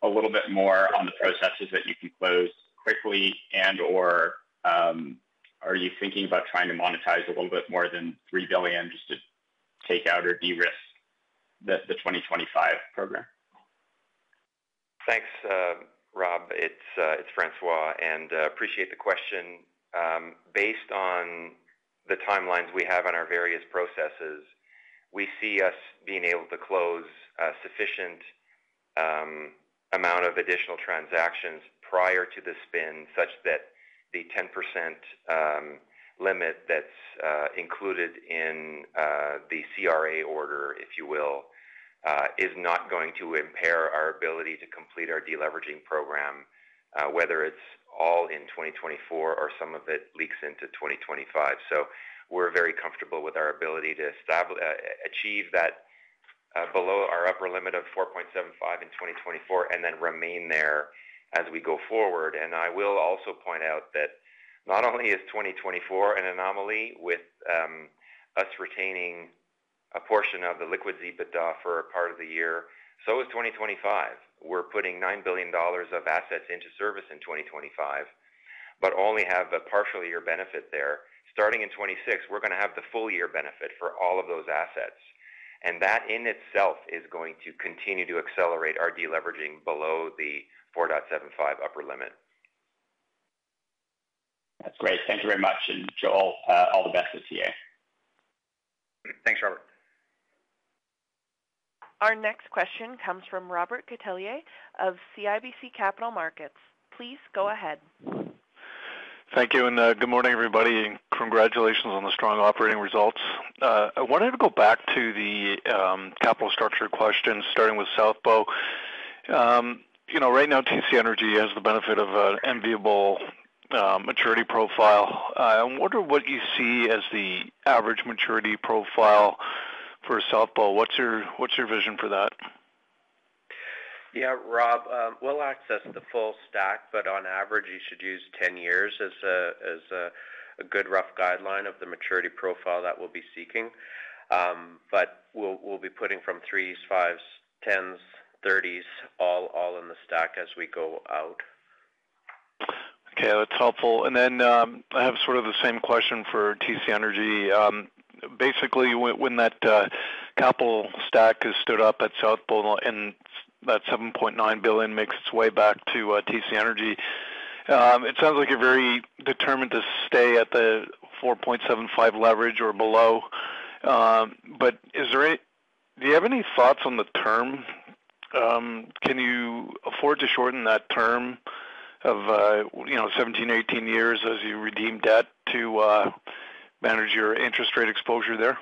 a little bit more on the processes that you can close quickly? And/or, are you thinking about trying to monetize a little bit more than 3 billion just to take out or de-risk the, the 2025 program? Thanks, Rob. It's François, and appreciate the question. Based on the timelines we have on our various processes, we see us being able to close sufficient amount of additional transactions prior to the spin, such that the 10% limit that's included in the CRA order, if you will, is not going to impair our ability to complete our deleveraging program, whether it's all in 2024 or some of it leaks into 2025. So we're very comfortable with our ability to achieve that, below our upper limit of 4.75 in 2024, and then remain there as we go forward. I will also point out that not only is 2024 an anomaly with us retaining a portion of the liquids EBITDA for a part of the year, so is 2025. We're putting 9 billion dollars of assets into service in 2025, but only have a partial year benefit there. Starting in 2026, we're gonna have the full year benefit for all of those assets, and that in itself is going to continue to accelerate our deleveraging below the 4.75 upper limit. That's great. Thank you very much. And Joel, all the best this year. Thanks, Robert. Our next question comes from Robert Catellier of CIBC Capital Markets. Please go ahead. Thank you, and good morning, everybody, and congratulations on the strong operating results. I wanted to go back to the capital structure question, starting with South Bow. You know, right now, TC Energy has the benefit of an enviable maturity profile. I wonder what you see as the average maturity profile for South Bow. What's your vision for that? Yeah, Rob, we'll access the full stack, but on average, you should use 10 years as a good rough guideline of the maturity profile that we'll be seeking. But we'll be putting from 3s, 5s, 10s, 30s, all in the stack as we go out. Okay, that's helpful. And then, I have sort of the same question for TC Energy. Basically, when that capital stack is stood up at South Bow and that 7.9 billion makes its way back to TC Energy, it sounds like you're very determined to stay at the 4.75 leverage or below. But is there any - do you have any thoughts on the term? Can you afford to shorten that term of, you know, 17-18 years as you redeem debt to manage your interest rate exposure there?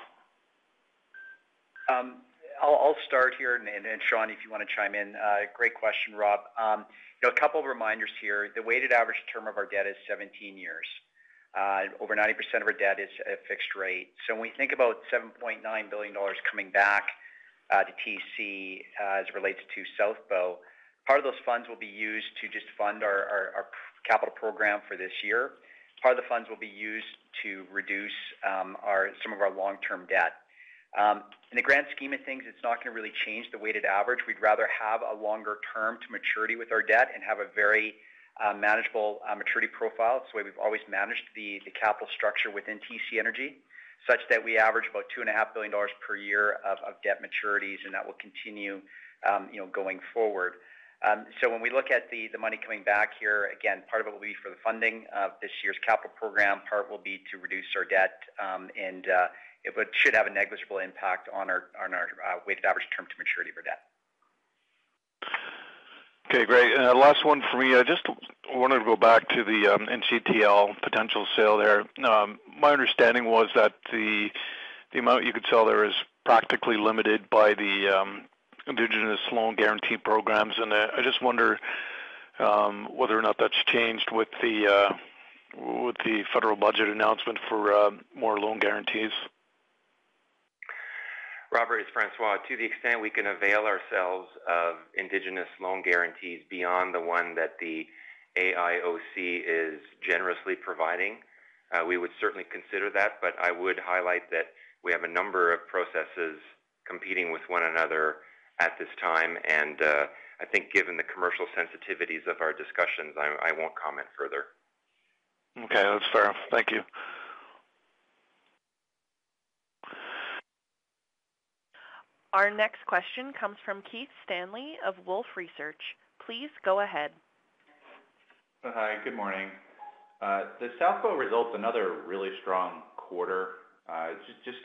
I'll start here, and Sean, if you wanna chime in. Great question, Rob. You know, a couple of reminders here: the weighted average term of our debt is 17 years. Over 90% of our debt is at fixed rate. So when we think about $7.9 billion coming back to TC, as it relates to South Bow, part of those funds will be used to just fund our capital program for this year. Part of the funds will be used to reduce some of our long-term debt. In the grand scheme of things, it's not gonna really change the weighted average. We'd rather have a longer term to maturity with our debt and have a very manageable maturity profile. It's the way we've always managed the capital structure within TC Energy, such that we average about 2.5 billion dollars per year of debt maturities, and that will continue, you know, going forward. So when we look at the money coming back here, again, part of it will be for the funding of this year's capital program, part will be to reduce our debt, and it should have a negligible impact on our weighted average term to maturity of our debt. Okay, great. And, last one for me. I just wanted to go back to the NGTL potential sale there. My understanding was that the amount you could sell there is practically limited by the Indigenous loan guarantee programs. And, I just wonder whether or not that's changed with the federal budget announcement for more loan guarantees. Robert, it's François. To the extent we can avail ourselves of Indigenous loan guarantees beyond the one that the AIOC is generously providing, we would certainly consider that, but I would highlight that we have a number of processes competing with one another at this time, and I think given the commercial sensitivities of our discussions, I won't comment further. Okay, that's fair. Thank you. Our next question comes from Keith Stanley of Wolfe Research. Please go ahead. Hi, good morning. The South Bow results, another really strong quarter. Just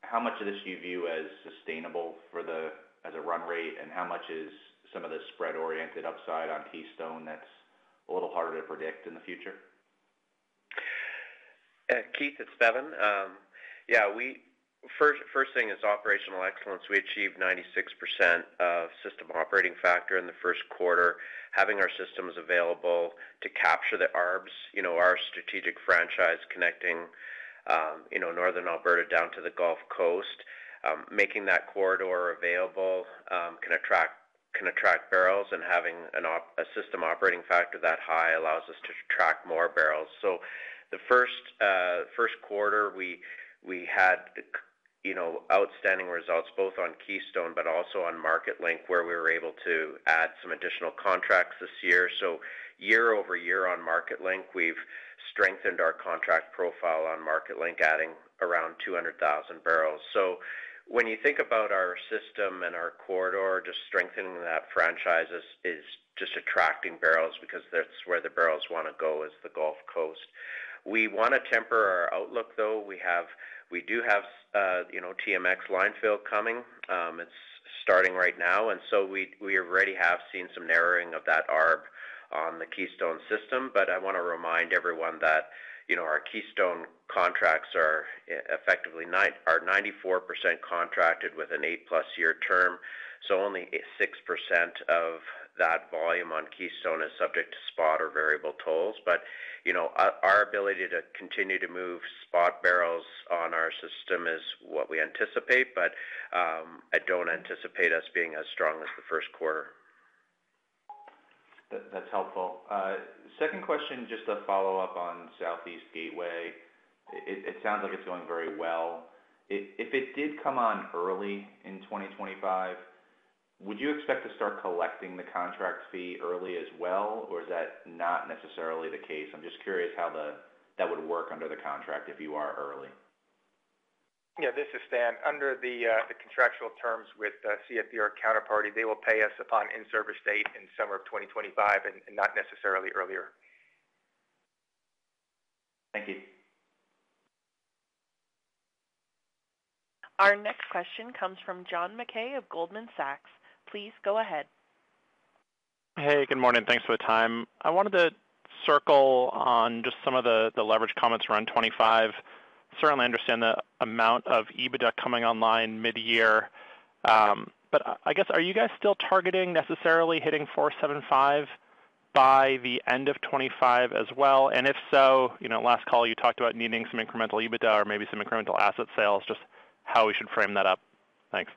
curious, how much of this do you view as sustainable for the... as a run rate, and how much is some of the spread-oriented upside on Keystone that's a little harder to predict in the future? Keith, it's Bevin. First thing is operational excellence. We achieved 96% system operating factor in the first quarter, having our systems available to capture the arbs, you know, our strategic franchise connecting, you know, Northern Alberta down to the Gulf Coast. Making that corridor available can attract barrels, and having a system operating factor that high allows us to track more barrels. So the first quarter, we had, you know, outstanding results, both on Keystone but also on Marketlink, where we were able to add some additional contracts this year. So year-over-year on Marketlink, we've strengthened our contract profile on Marketlink, adding around 200,000 barrels. So when you think about our system and our corridor, just strengthening that franchise is just attracting barrels because that's where the barrels wanna go, is the Gulf Coast. We wanna temper our outlook, though. We do have, you know, TMX Line Fill coming. It's starting right now, and so we already have seen some narrowing of that arb on the Keystone system. But I wanna remind everyone that, you know, our Keystone contracts are effectively 94% contracted with an 8+ year term, so only 6% of that volume on Keystone is subject to spot or variable tolls. But, you know, our ability to continue to move spot barrels on our system is what we anticipate, but I don't anticipate us being as strong as the first quarter. That, that's helpful. Second question, just a follow-up on Southeast Gateway. It sounds like it's going very well. If it did come on early in 2025, would you expect to start collecting the contract fee early as well, or is that not necessarily the case? I'm just curious how that would work under the contract if you are early. Yeah, this is Stan. Under the contractual terms with CFDR counterparty, they will pay us upon in-service date in summer of 2025 and not necessarily earlier. Thank you. Our next question comes from John Mackay of Goldman Sachs. Please go ahead. Hey, good morning. Thanks for the time. I wanted to circle on just some of the, the leverage comments around 2025. Certainly understand the amount of EBITDA coming online mid-year, but I guess, are you guys still targeting necessarily hitting 475 by the end of 2025 as well? And if so, you know, last call, you talked about needing some incremental EBITDA or maybe some incremental asset sales, just how we should frame that up. Thanks.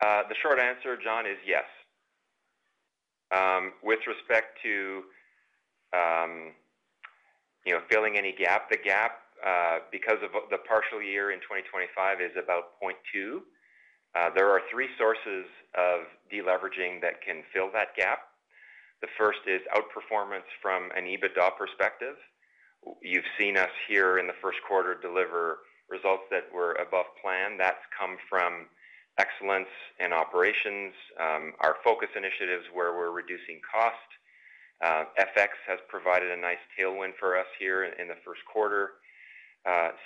The short answer, John, is yes. With respect to, you know, filling any gap, the gap, because of the partial year in 2025 is about 0.2. There are three sources of deleveraging that can fill that gap. The first is outperformance from an EBITDA perspective. You've seen us here in the first quarter deliver results that were above plan. That's come from excellence in operations, our focus initiatives, where we're reducing cost. FX has provided a nice tailwind for us here in the first quarter.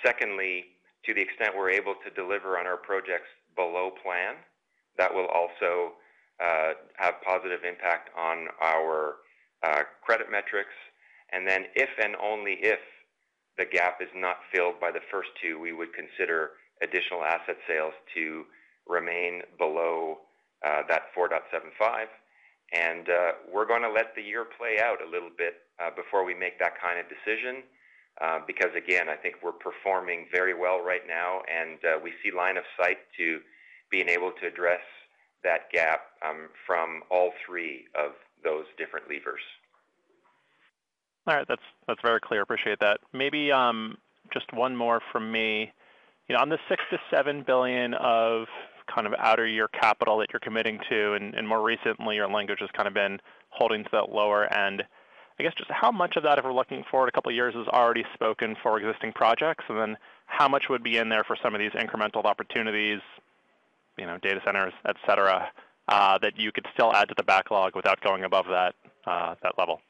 Secondly, to the extent we're able to deliver on our projects below plan, that will also have positive impact on our credit metrics. And then, if and only if, the gap is not filled by the first two, we would consider additional asset sales to remain below that 4.75. We're gonna let the year play out a little bit before we make that kind of decision, because, again, I think we're performing very well right now, and we see line of sight to being able to address that gap from all three of those different levers. All right. That's, that's very clear. Appreciate that. Maybe, just one more from me. You know, on the 6 billion-7 billion of kind of outer year capital that you're committing to, and, and more recently, your language has kind of been holding to that lower end. I guess, just how much of that, if we're looking forward a couple of years, is already spoken for existing projects? And then how much would be in there for some of these incremental opportunities, you know, data centers, et cetera, that you could still add to the backlog without going above that, that level?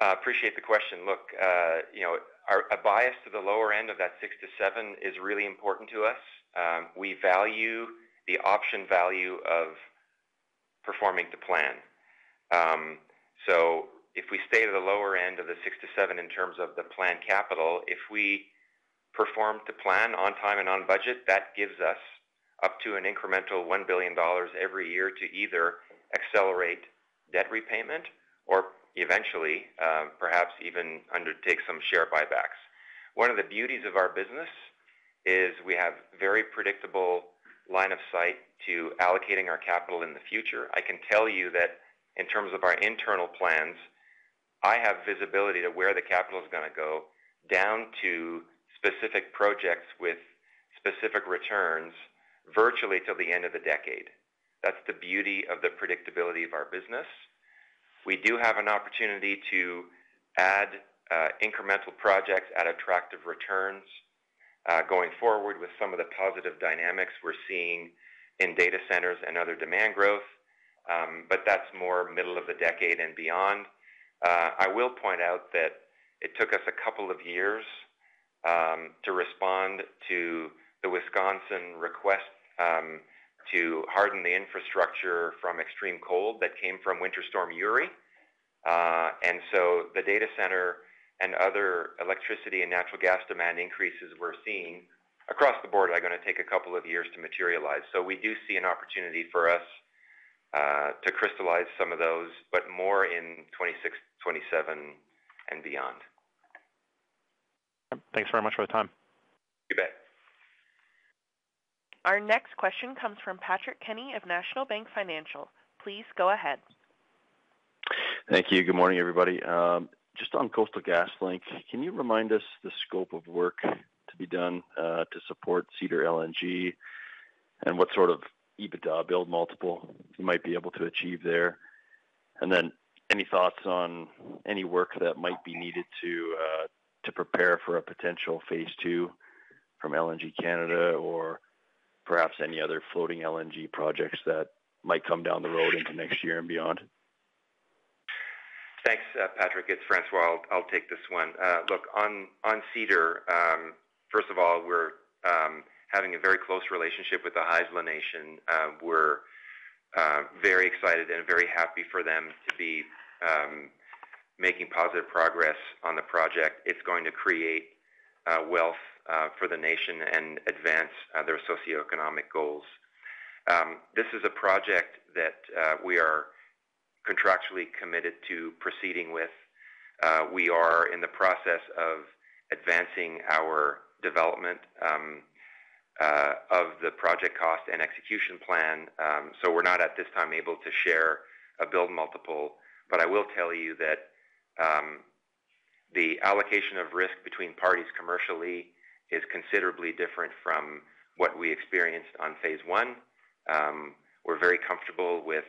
Appreciate the question. Look, you know, our bias to the lower end of that 6-7 is really important to us. We value the option value of performing to plan. So if we stay to the lower end of the 6-7 in terms of the planned capital, if we perform to plan on time and on budget, that gives us up to an incremental 1 billion dollars every year to either accelerate debt repayment or eventually, perhaps even undertake some share buybacks. One of the beauties of our business is we have very predictable line of sight to allocating our capital in the future. I can tell you that in terms of our internal plans, I have visibility to where the capital is gonna go, down to specific projects with specific returns, virtually till the end of the decade. That's the beauty of the predictability of our business. We do have an opportunity to add incremental projects at attractive returns going forward with some of the positive dynamics we're seeing in data centers and other demand growth, but that's more middle of the decade and beyond. I will point out that it took us a couple of years to respond to the Wisconsin request to harden the infrastructure from extreme cold that came from Winter Storm Uri. And so the data center and other electricity and natural gas demand increases we're seeing across the board are gonna take a couple of years to materialize. So we do see an opportunity for us to crystallize some of those, but more in 2026, 2027 and beyond. Thanks very much for the time. You bet. Our next question comes from Patrick Kenny of National Bank Financial. Please go ahead. Thank you. Good morning, everybody. Just on Coastal GasLink, can you remind us the scope of work to be done to support Cedar LNG, and what sort of EBITDA build multiple you might be able to achieve there? And then any thoughts on any work that might be needed to prepare for a potential phase two from LNG Canada or perhaps any other floating LNG projects that might come down the road into next year and beyond? Thanks, Patrick, it's François. I'll, I'll take this one. Look, on, on Cedar, first of all, we're having a very close relationship with the Haisla Nation. We're very excited and very happy for them to be making positive progress on the project. It's going to create wealth for the nation and advance their socioeconomic goals. This is a project that we are contractually committed to proceeding with. We are in the process of advancing our development of the project cost and execution plan. So we're not, at this time, able to share a build multiple, but I will tell you that the allocation of risk between parties commercially is considerably different from what we experienced on phase one. We're very comfortable with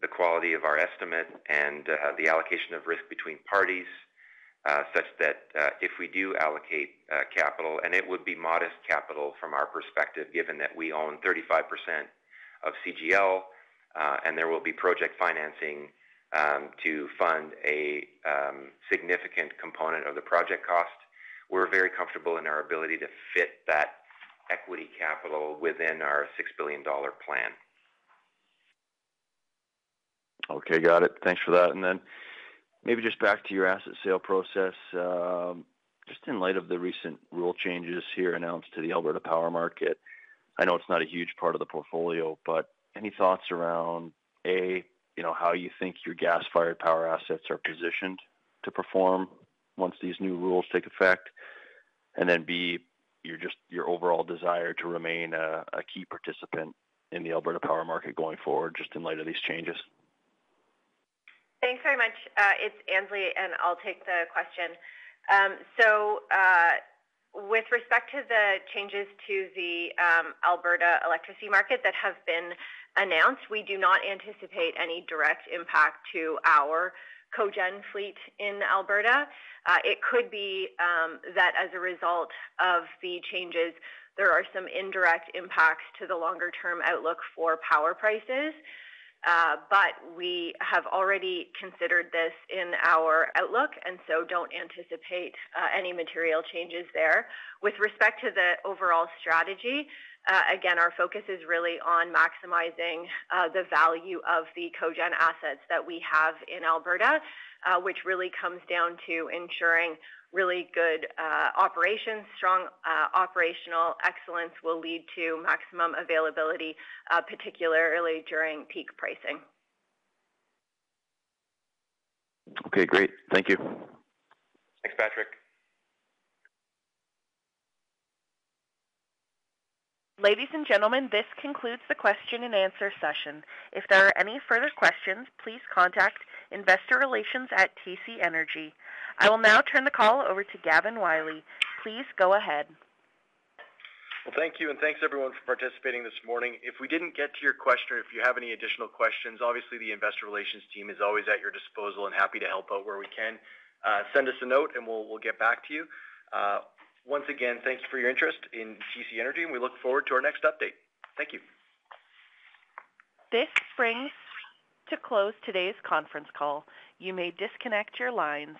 the quality of our estimate and the allocation of risk between parties such that if we do allocate capital, and it would be modest capital from our perspective, given that we own 35% of CGL, and there will be project financing to fund a significant component of the project cost. We're very comfortable in our ability to fit that equity capital within our 6 billion dollar plan. Okay, got it. Thanks for that. And then maybe just back to your asset sale process, just in light of the recent rule changes here announced to the Alberta Power Market, I know it's not a huge part of the portfolio, but any thoughts around, A, you know, how you think your gas-fired power assets are positioned to perform once these new rules take effect? And then, B, your overall desire to remain a key participant in the Alberta Power Market going forward, just in light of these changes. Thanks very much. It's Annesley, and I'll take the question. So, with respect to the changes to the Alberta electricity market that have been announced, we do not anticipate any direct impact to our cogen fleet in Alberta. It could be that as a result of the changes, there are some indirect impacts to the longer-term outlook for power prices. But we have already considered this in our outlook, and so don't anticipate any material changes there. With respect to the overall strategy, again, our focus is really on maximizing the value of the cogen assets that we have in Alberta, which really comes down to ensuring really good operations. Strong operational excellence will lead to maximum availability, particularly during peak pricing. Okay, great. Thank you. Thanks, Patrick. Ladies and gentlemen, this concludes the question and answer session. If there are any further questions, please contact Investor Relations at TC Energy. I will now turn the call over to Gavin Wylie. Please go ahead. Well, thank you, and thanks, everyone, for participating this morning. If we didn't get to your question, or if you have any additional questions, obviously the investor relations team is always at your disposal and happy to help out where we can. Send us a note, and we'll get back to you. Once again, thanks for your interest in TC Energy, and we look forward to our next update. Thank you. This brings to close today's conference call. You may disconnect your lines.